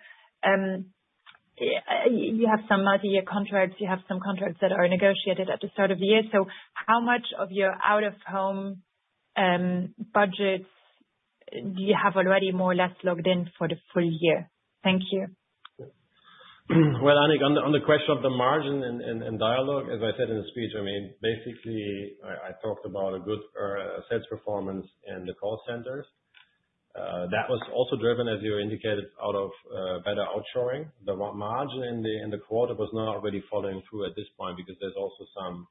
You have some multi-year contracts. You have some contracts that are negotiated at the start of the year. How much of your Out-of-Home budgets do you have already more or less logged in for the full year? Thank you. Anik, on the question of the margin and dialogue, as I said in the speech, I mean, basically, I talked about a good sales performance in the call centers. That was also driven, as you indicated, out of better outshoring. The margin in the quarter was not already following through at this point because there is also some,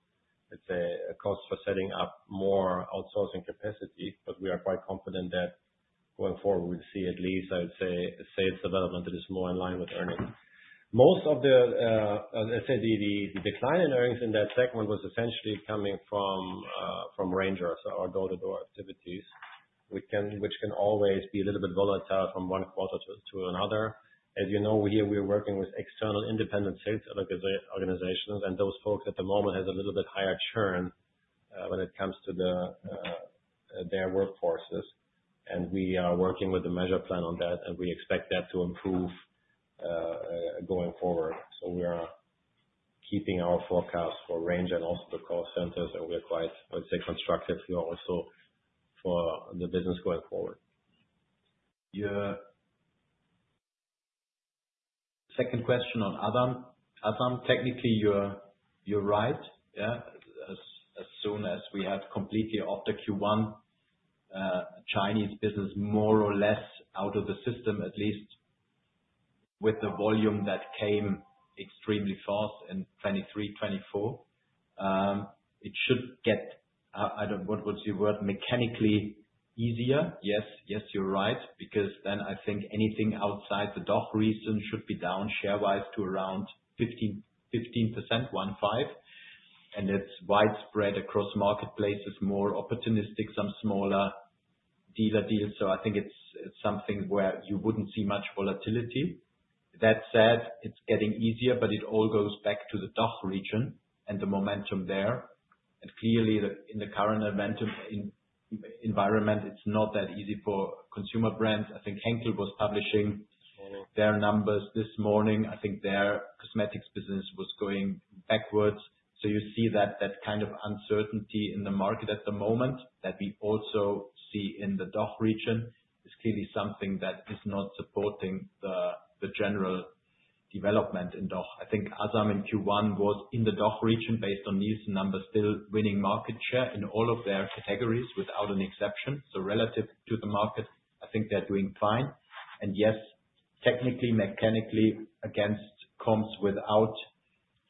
let's say, costs for setting up more outsourcing capacity. We are quite confident that going forward, we will see at least, I would say, a sales development that is more in line with earnings. Most of the, let's say, the decline in earnings in that segment was essentially coming from Ranger, our door-to-door activities, which can always be a little bit volatile from one quarter to another. As you know, here, we're working with external independent sales organizations, and those folks at the moment have a little bit higher churn when it comes to their workforces. We are working with the measure plan on that, and we expect that to improve going forward. We are keeping our forecast for Ranger and also the call centers. We are quite, I would say, constructive here also for the business going forward. Your second question on Asam. Asam, technically, you're right. Yeah. As soon as we had completely opted Q1, Chinese business more or less out of the system, at least with the volume that came extremely fast in 2023, 2024, it should get, what's the word, mechanically easier. Yes. Yes, you're right. Because then I think anything outside the DOC reason should be down share-wise to around 15%, 15%, and it's widespread across marketplaces, more opportunistic, some smaller dealer deals. I think it's something where you wouldn't see much volatility. That said, it's getting easier, but it all goes back to the DOC region and the momentum there. Clearly, in the current environment, it's not that easy for consumer brands. I think Henkel was publishing their numbers this morning. I think their cosmetics business was going backwards. You see that kind of uncertainty in the market at the moment that we also see in the DACH region is clearly something that is not supporting the general development in DACH. I think Asam in Q1 was in the DACH region based on these numbers, still winning market share in all of their categories without an exception. Relative to the market, I think they're doing fine. Yes, technically, mechanically, against comps without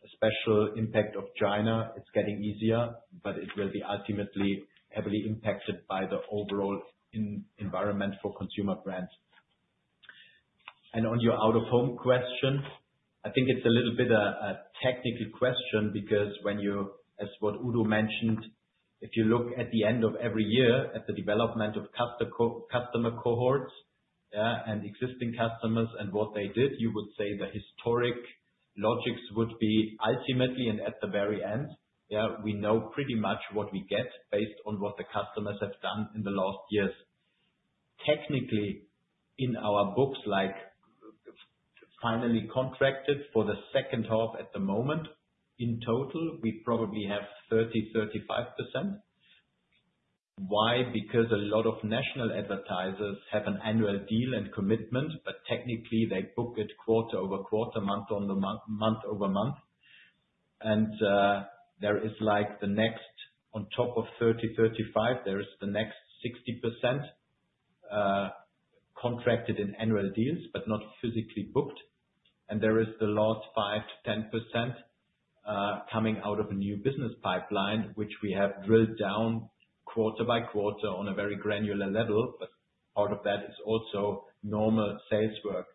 a special impact of China, it's getting easier, but it will be ultimately heavily impacted by the overall environment for consumer brands. On your Out-of-Home question, I think it's a little bit a technical question because when you, as what Udo mentioned, if you look at the end of every year at the development of customer cohorts and existing customers and what they did, you would say the historic logics would be ultimately and at the very end, we know pretty much what we get based on what the customers have done in the last years. Technically, in our books like finally contracted for the second half at the moment, in total, we probably have 30%-35%. Why? Because a lot of national advertisers have an annual deal and commitment, but technically, they book it quarter over quarter, month on the month over month. There is the next on top of 30%-35%, there is the next 60% contracted in annual deals, but not physically booked. There is the last 5%-10% coming out of a new business pipeline, which we have drilled down quarter by quarter on a very granular level. Part of that is also normal sales work.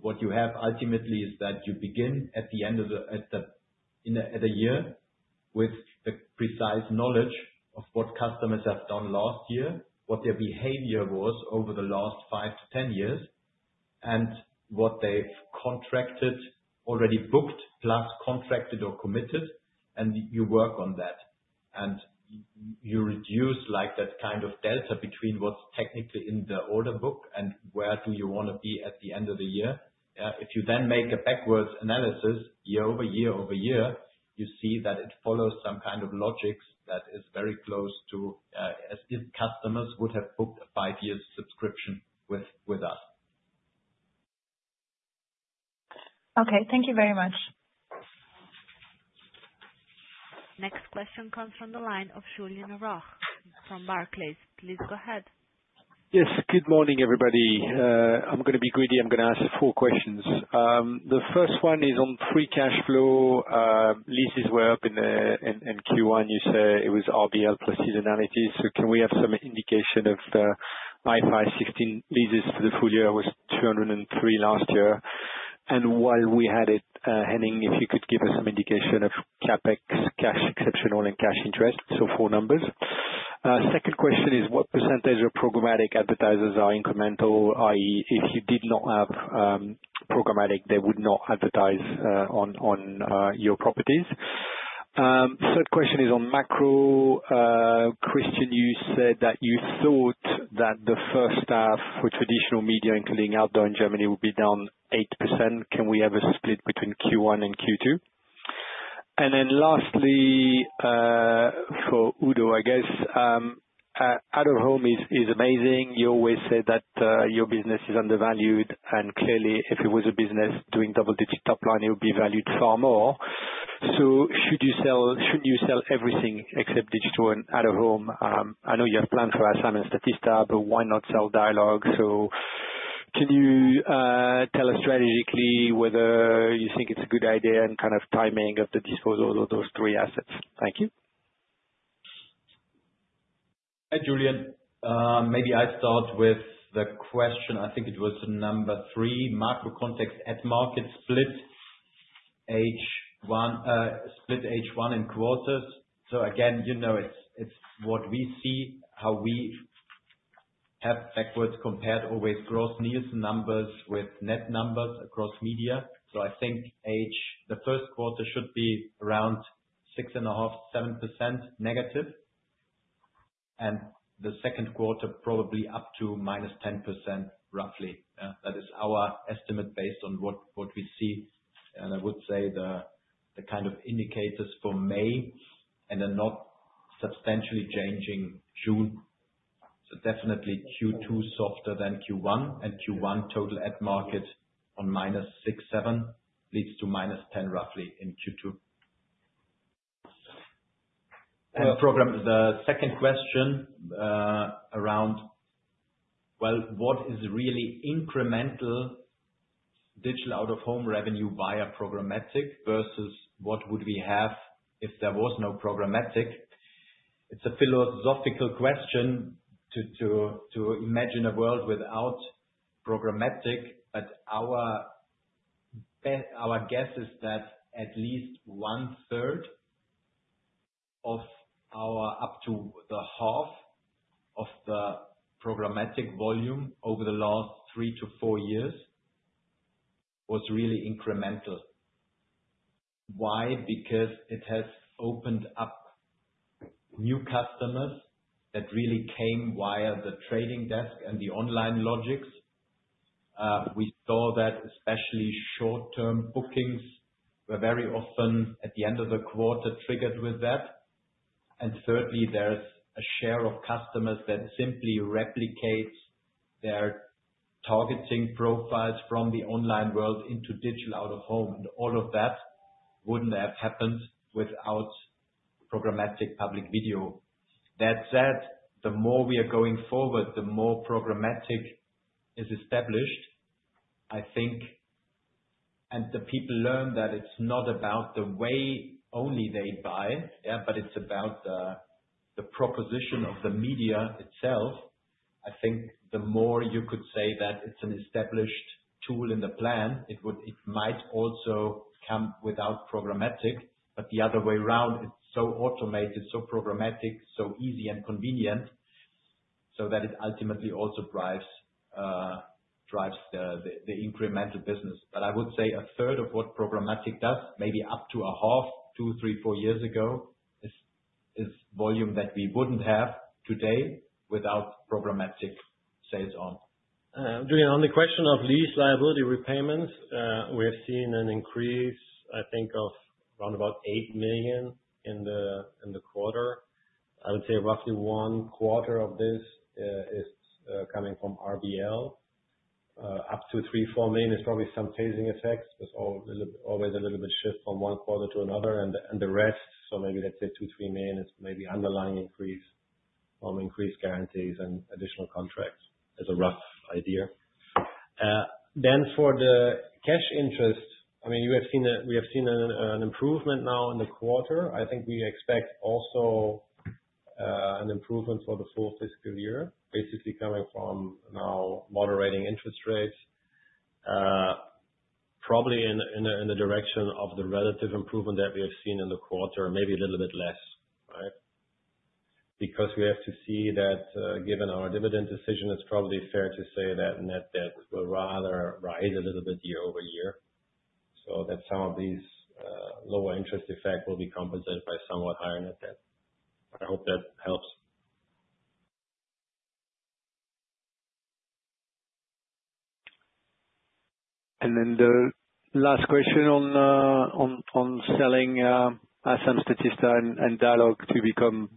What you have ultimately is that you begin at the end of the year with the precise knowledge of what customers have done last year, what their behavior was over the last 5 years-10 years, and what they have contracted, already booked, plus contracted or committed. You work on that. You reduce that kind of delta between what is technically in the order book and where you want to be at the end of the year. If you then make a backwards analysis year-over-year, you see that it follows some kind of logics that is very close to as if customers would have booked a five-year subscription with us. Okay. Thank you very much. Next question comes from the line of Julian Röhr from Barclays. Please go ahead. Yes. Good morning, everybody. I'm going to be greedy. I'm going to ask four questions. The first one is on free cash flow. Leases were up in Q1. You say it was RBL plus seasonality. Can we have some indication of IFRS 16 leases for the full year? It was 203 million last year. While we are at it, Henning, if you could give us some indication of CapEx, cash exceptional, and cash interest. Four numbers. Second question is what percentage of Programmatic advertisers are incremental, i.e., if you did not have Programmatic, they would not advertise on your properties. Third question is on macro. Christian, you said that you thought that the first half for traditional media, including outdoor in Germany, would be down 8%. Can we have a split between Q1 and Q2? Lastly, for Udo, I guess Out-of-Home is amazing. You always said that your business is undervalued. Clearly, if it was a business doing double-digit top line, it would be valued far more. Should you sell everything except digital and Out-of-Home? I know you have plans for Asam and Statista, but why not sell dialogue? Can you tell us strategically whether you think it is a good idea and kind of timing of the disposal of those three assets? Thank you. Hi, Julian. Maybe I start with the question. I think it was number three, macro context at market split H1 in quarters. Again, it is what we see, how we have backwards compared always gross Nielsen numbers with net numbers across media. I think the first quarter should be around 6.5%-7% negative. The second quarter probably up to -10%, roughly. That is our estimate based on what we see. I would say the kind of indicators for May are not substantially changing June. Definitely Q2 softer than Q1. Q1 total at market on -6%, -7% leads to -10%, roughly, in Q2. The second question around, what is really incremental Digital Out-of-Home revenue via Programmatic versus what would we have if there was no Programmatic? It is a philosophical question to imagine a world without Programmatic. Our guess is that at least one-third up to half of the Programmatic volume over the last three to four years was really incremental. Why? Because it has opened up new customers that really came via the trading desk and the online logics. We saw that especially short-term bookings were very often at the end of the quarter triggered with that. Thirdly, there is a share of customers that simply replicates their targeting profiles from the online world into Digital Out-of-Home. All of that would not have happened without Programmatic public video. That said, the more we are going forward, the more Programmatic is established, I think. The people learn that it is not about the way only they buy, but it is about the proposition of the media itself. I think the more you could say that it's an established tool in the plan, it might also come without Programmatic. The other way around, it's so automated, so Programmatic, so easy and convenient, so that it ultimately also drives the incremental business. I would say a third of what Programmatic does, maybe up to a half, two, three, four years ago, is volume that we would not have today without Programmatic sales on. Julian, on the question of lease liability repayments, we have seen an increase, I think, of around 8 million in the quarter. I would say roughly one quarter of this is coming from RBL. Up to 3 million-4 million is probably some phasing effects. There is always a little bit shift from one quarter to another. The rest, so maybe let's say 2 million-3 million, is maybe underlying increase from increased guarantees and additional contracts as a rough idea. For the cash interest, I mean, we have seen an improvement now in the quarter. I think we expect also an improvement for the full fiscal year, basically coming from now moderating interest rates, probably in the direction of the relative improvement that we have seen in the quarter, maybe a little bit less, right? Because we have to see that given our dividend decision, it's probably fair to say that net debt will rather rise a little bit year-over-year. Some of these lower interest effects will be compensated by somewhat higher net debt. I hope that helps. The last question on selling Asam, Statista, and Dialog to become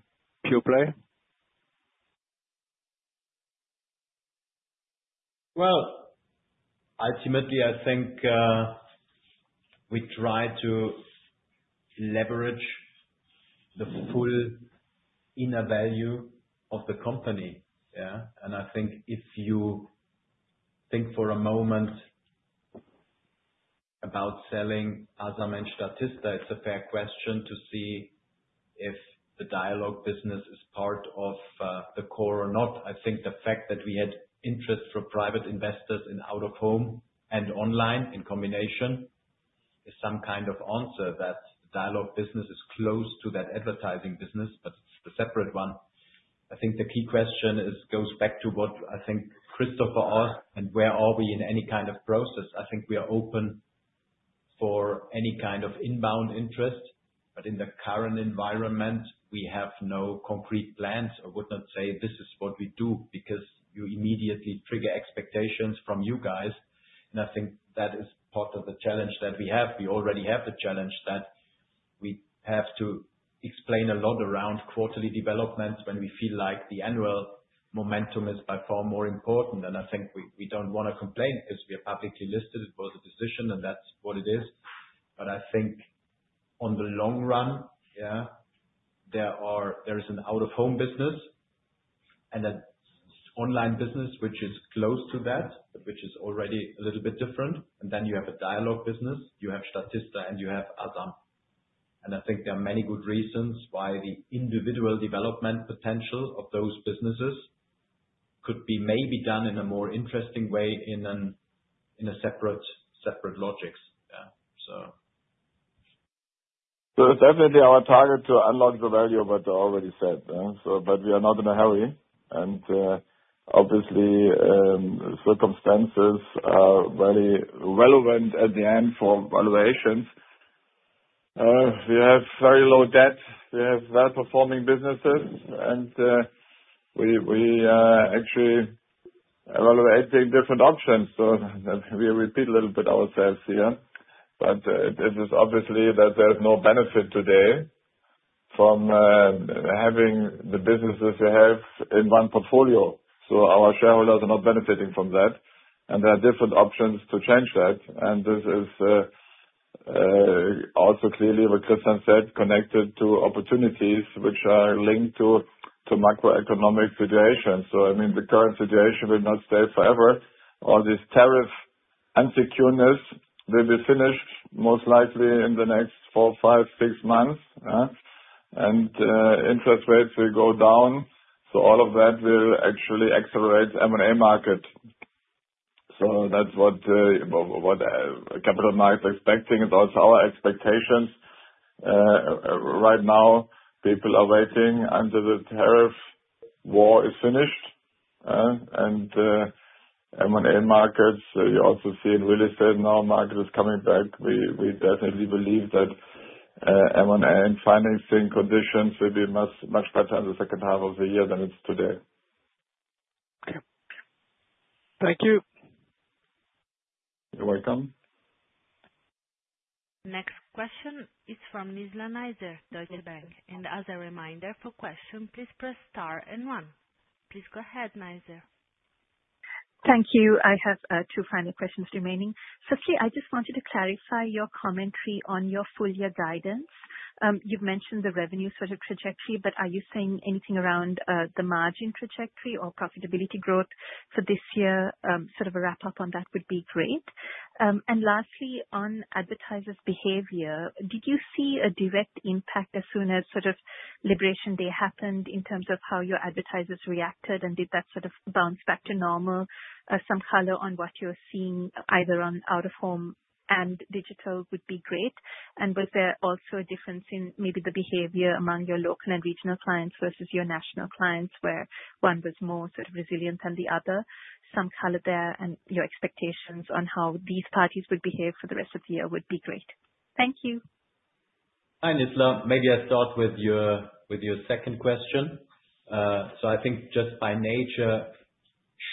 pure play? Ultimately, I think we try to leverage the full inner value of the company. I think if you think for a moment about selling Asam and Statista, it's a fair question to see if the Dialog business is part of the core or not. I think the fact that we had interest for private investors in Out-of-Home and online in combination is some kind of answer that the Dialog business is close to that advertising business, but it's the separate one. I think the key question goes back to what I think Christopher asked, and where are we in any kind of process? I think we are open for any kind of inbound interest. In the current environment, we have no concrete plans. I would not say this is what we do because you immediately trigger expectations from you guys. I think that is part of the challenge that we have. We already have the challenge that we have to explain a lot around quarterly developments when we feel like the annual momentum is by far more important. I think we do not want to complain because we are publicly listed. It was a decision, and that is what it is. I think in the long run, there is an Out-of-Home business and an online business which is close to that, which is already a little bit different. You have a Dialog business, you have Statista, and you have Asam. I think there are many good reasons why the individual development potential of those businesses could be maybe done in a more interesting way in separate logics. Definitely our target is to unlock the value of what I already said. We are not in a hurry. Obviously, circumstances are very relevant at the end for valuations. We have very low debt. We have well-performing businesses. We are actually evaluating different options. We repeat a little bit ourselves here. It is obvious that there is no benefit today from having the businesses we have in one portfolio. Our shareholders are not benefiting from that. There are different options to change that. This is also clearly, as Christian said, connected to opportunities which are linked to macroeconomic situations. I mean, the current situation will not stay forever. All this tariff unsecureness will be finished most likely in the next four, five, six months. Interest rates will go down. All of that will actually accelerate the M&A market. That is what capital markets are expecting. It is also our expectations. Right now, people are waiting until the tariff war is finished. M&A markets, you also see in real estate now, market is coming back. We definitely believe that M&A and financing conditions will be much better in the second half of the year than it is today. Okay. Thank you. You're welcome. Next question is from Nizla Naizer, Deutsche Bank. As a reminder, for questions, please press star and one. Please go ahead, Naizer. Thank you. I have two final questions remaining. Firstly, I just wanted to clarify your commentary on your full-year guidance. You've mentioned the revenue sort of trajectory, but are you saying anything around the margin trajectory or profitability growth for this year? Sort of a wrap-up on that would be great. Lastly, on advertisers' behavior, did you see a direct impact as soon as sort of Liberation Day happened in terms of how your advertisers reacted? Did that sort of bounce back to normal? Some color on what you're seeing either on Out-of-Home and digital would be great. Was there also a difference in maybe the behavior among your local and regional clients versus your national clients where one was more sort of resilient than the other? Some color there and your expectations on how these parties would behave for the rest of the year would be great. Thank you. Hi, Nizla. Maybe I start with your second question. I think just by nature,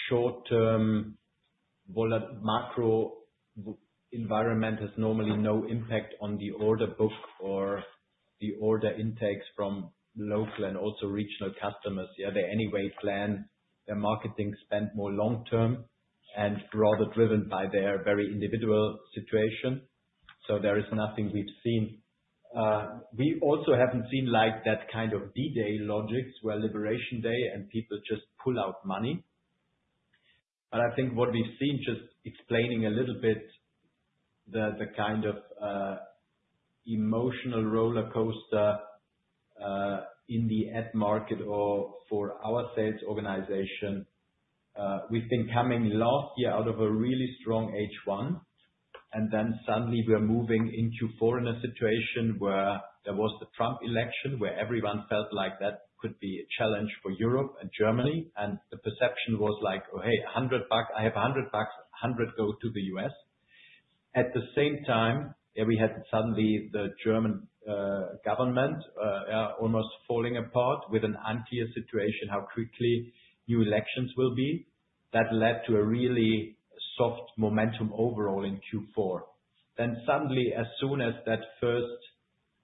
short-term macro environment has normally no impact on the order book or the order intakes from local and also regional customers. They're anyway planned. Their marketing spent more long-term and rather driven by their very individual situation. There is nothing we've seen. We also haven't seen that kind of D-Day logics where Liberation Day and people just pull out money. I think what we've seen, just explaining a little bit the kind of emotional roller coaster in the ad market or for our sales organization, we've been coming last year out of a really strong H1. Then suddenly we're moving into a foreigner situation where there was the Trump election where everyone felt like that could be a challenge for Europe and Germany. The perception was like, "Okay, I have 100 bucks. 100 go to the U.S.." At the same time, we had suddenly the German government almost falling apart with an unclear situation how quickly new elections will be. That led to a really soft momentum overall in Q4. Suddenly, as soon as that first,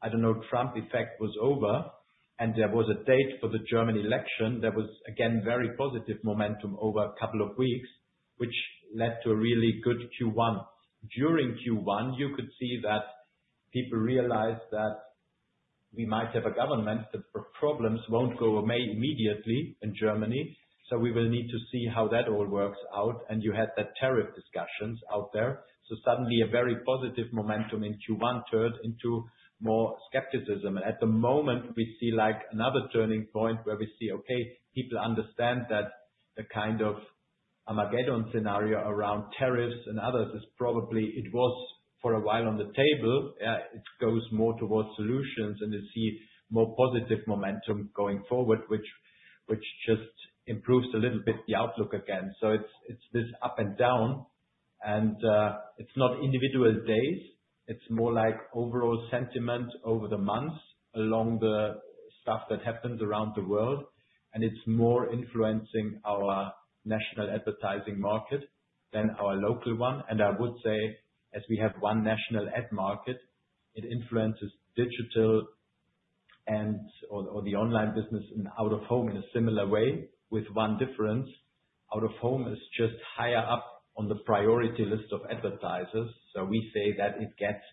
I don't know, Trump effect was over and there was a date for the German election, there was again very positive momentum over a couple of weeks, which led to a really good Q1. During Q1, you could see that people realized that we might have a government, but the problems won't go away immediately in Germany. We will need to see how that all works out. You had that tariff discussions out there. Suddenly a very positive momentum in Q1 turned into more skepticism. At the moment, we see another turning point where we see, okay, people understand that the kind of Armageddon scenario around tariffs and others is probably it was for a while on the table. It goes more towards solutions and you see more positive momentum going forward, which just improves a little bit the outlook again. It is this up and down. It is not individual days. It is more like overall sentiment over the months along the stuff that happens around the world. It is more influencing our national advertising market than our local one. I would say, as we have one national ad market, it influences digital and/or the online business and Out-of-Home in a similar way with one difference. Out-of-Home is just higher up on the priority list of advertisers. We say that it gets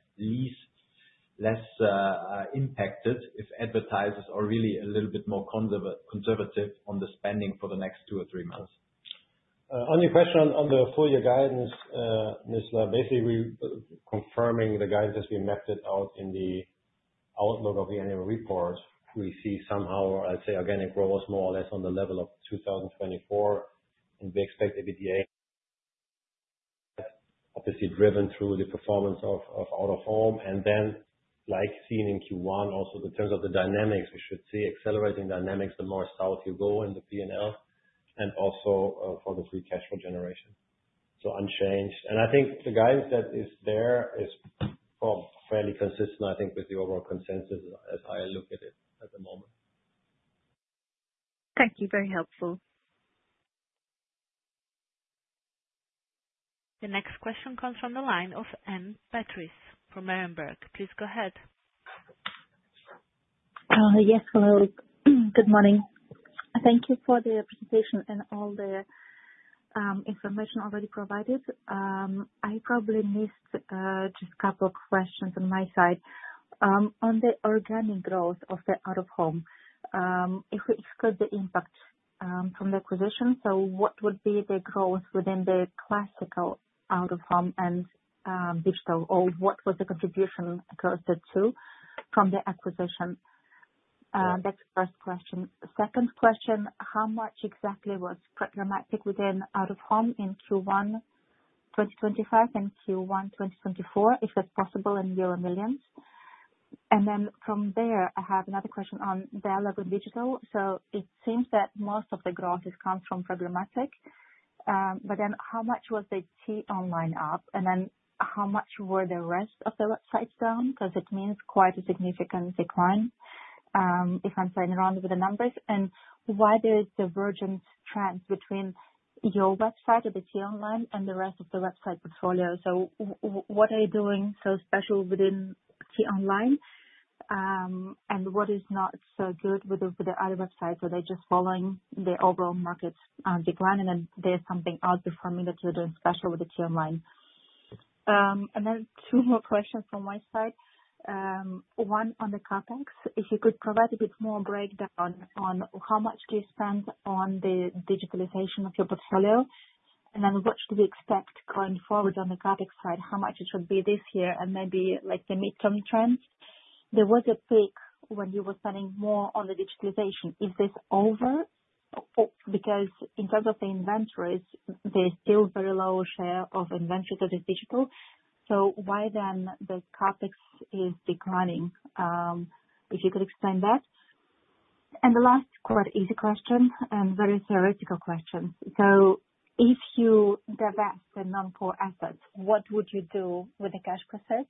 less impacted if advertisers are really a little bit more conservative on the spending for the next two or three months. On your question on the full-year guidance, Nizla, basically confirming the guidance as we mapped it out in the outlook of the annual report, we see somehow, I'd say, organic growth was more or less on the level of 2024. We expect EBITDA obviously driven through the performance of Out-of-Home. Like seen in Q1, also in terms of the dynamics, we should see accelerating dynamics the more south you go in the P&L and also for the free cash flow generation. Unchanged. I think the guidance that is there is fairly consistent, I think, with the overall consensus as I look at it at the moment. Thank you. Very helpful. The next question comes from the line of Anne Patrice from Berenberg. Please go ahead. Yes. Hello. Good morning. Thank you for the presentation and all the information already provided. I probably missed just a couple of questions on my side. On the organic growth of the Out-of-Home, if we exclude the impact from the acquisition, what would be the growth within the classical Out-of-Home and digital? Or what was the contribution across the two from the acquisition? That's the first question. Second question, how much exactly was Programmatic within Out-of-Home in Q1 2025 and Q1 2024, if it's possible, in euro millions? From there, I have another question on Dialog and Digital. It seems that most of the growth has come from Programmatic. How much was the t-online up? How much were the rest of the websites down? It means quite a significant decline, if I'm playing around with the numbers. Why did the divergence trend between your website or the t-online and the rest of the website portfolio? What are you doing so special within t-online? What is not so good with the other websites? Are they just following the overall market decline? Is there something outperforming that you are doing special with t-online? Two more questions from my side. One on the CapEx. If you could provide a bit more breakdown on how much you spend on the digitalization of your portfolio. What should we expect going forward on the CapEx side, how much it should be this year and maybe the midterm trends? There was a peak when you were spending more on the digitalization. Is this over? In terms of the inventories, there is still a very low share of inventory that is digital. Why then is the CapEx declining? If you could explain that. The last, quite easy question and very theoretical question. If you divest the non-core assets, what would you do with the cash cassettes?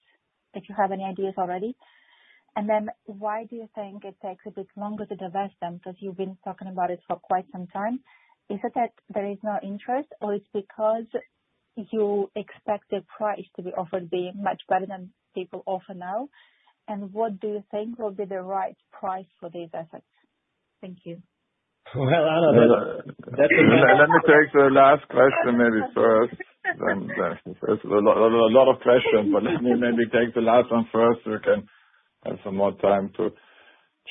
If you have any ideas already. Why do you think it takes a bit longer to divest them? Because you have been talking about it for quite some time. Is it that there is no interest, or is it because you expect the price to be offered to be much better than people offer now? What do you think will be the right price for these assets? Thank you. I do not know. Let me take the last question maybe first. There are a lot of questions, but let me maybe take the last one first so we can have some more time to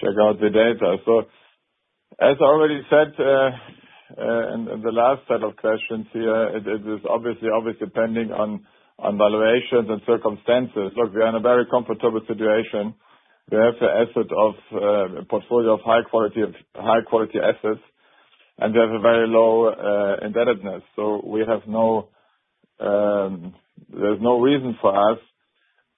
check out the data. As I already said in the last set of questions here, it is obviously always depending on valuations and circumstances. Look, we are in a very comfortable situation. We have a portfolio of high-quality assets, and we have a very low indebtedness. There is no reason for us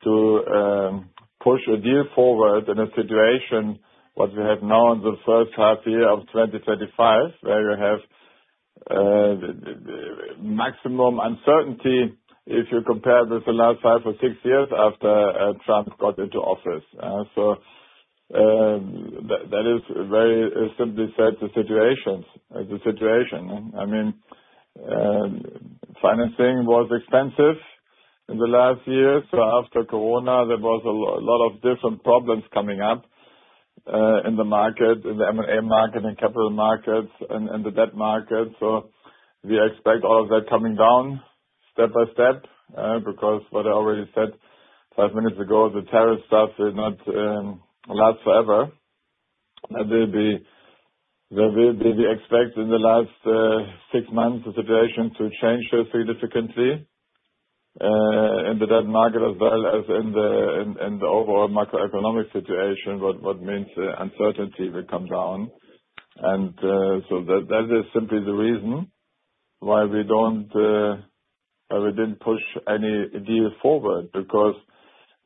to push a deal forward in a situation what we have now in the first half year of 2025, where you have maximum uncertainty if you compare with the last five or six years after Trump got into office. That is very simply said, the situation. I mean, financing was expensive in the last year. After Corona, there was a lot of different problems coming up in the market, in the M&A market, in capital markets, and in the debt market. We expect all of that coming down step by step because what I already said five minutes ago, the tariff stuff will not last forever. We expect in the last six months, the situation to change significantly in the debt market as well as in the overall macroeconomic situation, which means uncertainty will come down. That is simply the reason why we did not push any deal forward.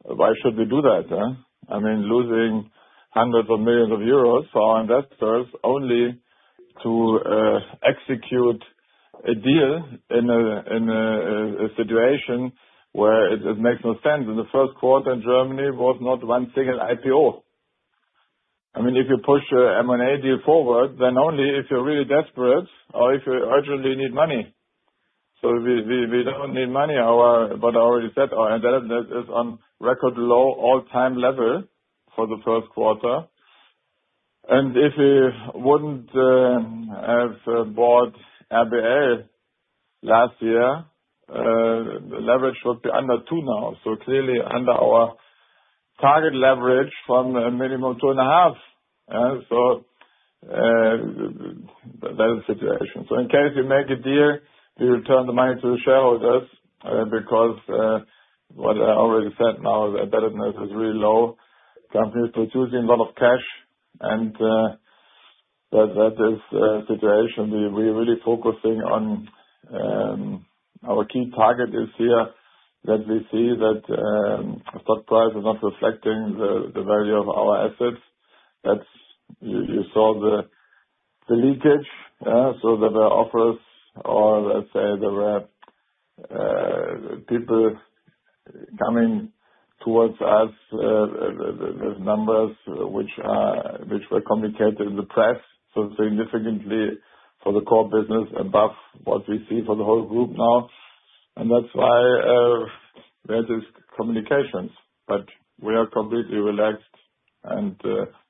Why should we do that? I mean, losing hundreds of millions of EUR for our investors only to execute a deal in a situation where it makes no sense. In the first quarter in Germany, there was not one single IPO. If you push an M&A deal forward, then only if you are really desperate or if you urgently need money. We do not need money. I already said our indebtedness is on record low all-time level for the first quarter. If we would not have bought RBL Media last year, the leverage would be under two now. Clearly under our target leverage from a minimum of two and a half. That is the situation. In case we make a deal, we return the money to the shareholders because what I already said now, the indebtedness is really low. The company is producing a lot of cash. That is the situation. We're really focusing on our key target this year that we see that the stock price is not reflecting the value of our assets. You saw the leakage. There were offers or, let's say, there were people coming towards us with numbers which were communicated in the press so significantly for the core business above what we see for the whole group now. That is why there are these communications. We are completely relaxed, and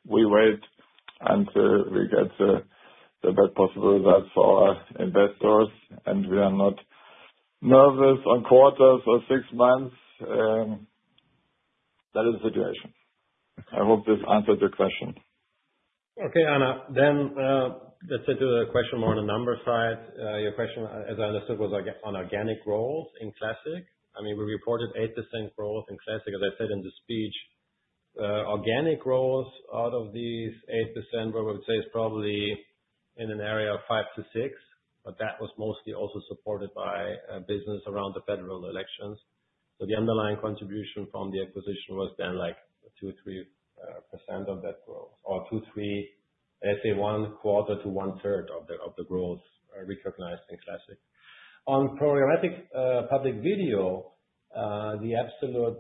we wait until we get the best possible results for our investors. We are not nervous on quarters or six months. That is the situation. I hope this answered your question. Okay, Anna. Let's say to the question more on the number side, your question, as I understood, was on organic roles in Classic. I mean, we reported 8% growth in Classic, as I said in the speech. Organic roles out of these 8%, what I would say is probably in an area of 5%-6%. That was mostly also supported by business around the federal elections. The underlying contribution from the acquisition was then like 2%-3% of that growth or 2%-3%, let's say, one quarter to one-third of the growth recognized in Classic. On Programmatic public video, the absolute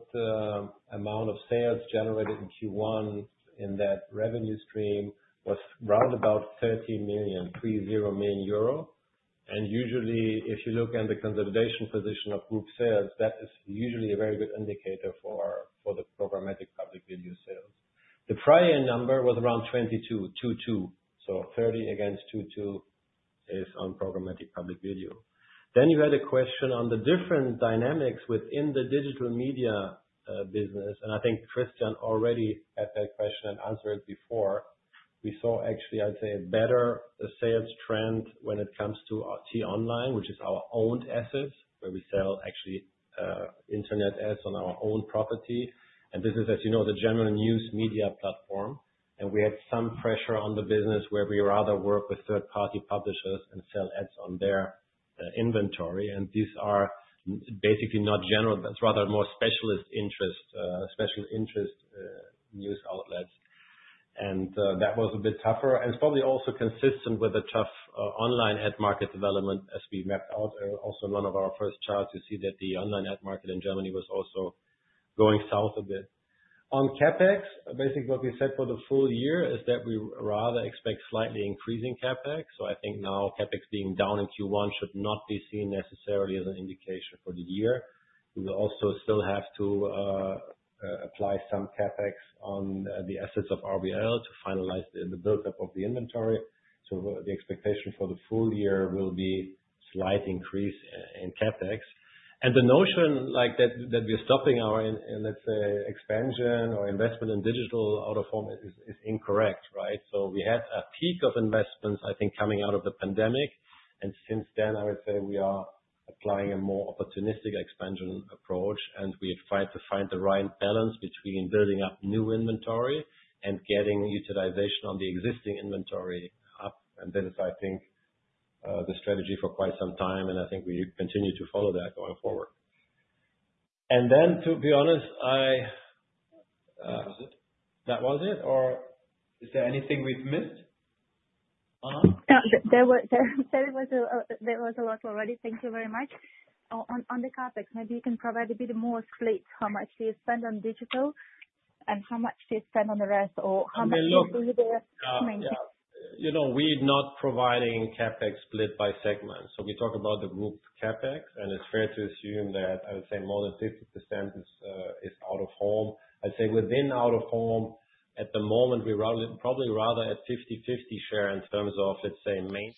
amount of sales generated in Q1 in that revenue stream was round about 30 million, 30 million euro. If you look at the consolidation position of group sales, that is usually a very good indicator for the Programmatic public video sales. The prior number was around 22, 22. 30 against 22 is on Programmatic public video. You had a question on the different dynamics within the digital media business. I think Christian already had that question and answered it before. We saw actually, I'd say, a better sales trend when it comes to t-online, which is our owned assets, where we sell actually internet ads on our own property. This is, as you know, the German news media platform. We had some pressure on the business where we rather work with third-party publishers and sell ads on their inventory. These are basically not general, but rather more special interest news outlets. That was a bit tougher. It is probably also consistent with the tough online ad market development as we mapped out. Also, in one of our first charts, you see that the online ad market in Germany was also going south a bit. On CapEx, basically what we said for the full year is that we rather expect slightly increasing CapEx. I think now CapEx being down in Q1 should not be seen necessarily as an indication for the year. We will also still have to apply some CapEx on the assets of RBL to finalize the build-up of the inventory. The expectation for the full year will be a slight increase in CapEx. The notion that we are stopping our, let's say, expansion or investment in Digital Out-of-Home is incorrect, right? We had a peak of investments, I think, coming out of the pandemic. Since then, I would say we are applying a more opportunistic expansion approach. We have tried to find the right balance between building up new inventory and getting utilization on the existing inventory up. This is, I think, the strategy for quite some time. I think we continue to follow that going forward. To be honest, I— That was it? That was it? Or is there anything we have missed? There was a lot already. Thank you very much. On the CapEx, maybe you can provide a bit more split, how much do you spend on digital and how much do you spend on the rest, or how much do you do the— We are not providing CapEx split by segment. We talk about the group CapEx. It is fair to assume that, I would say, more than 50% is Out-of-Home. I'd say within Out-of-Home, at the moment, we're probably rather at 50/50 share in terms of, let's say, main.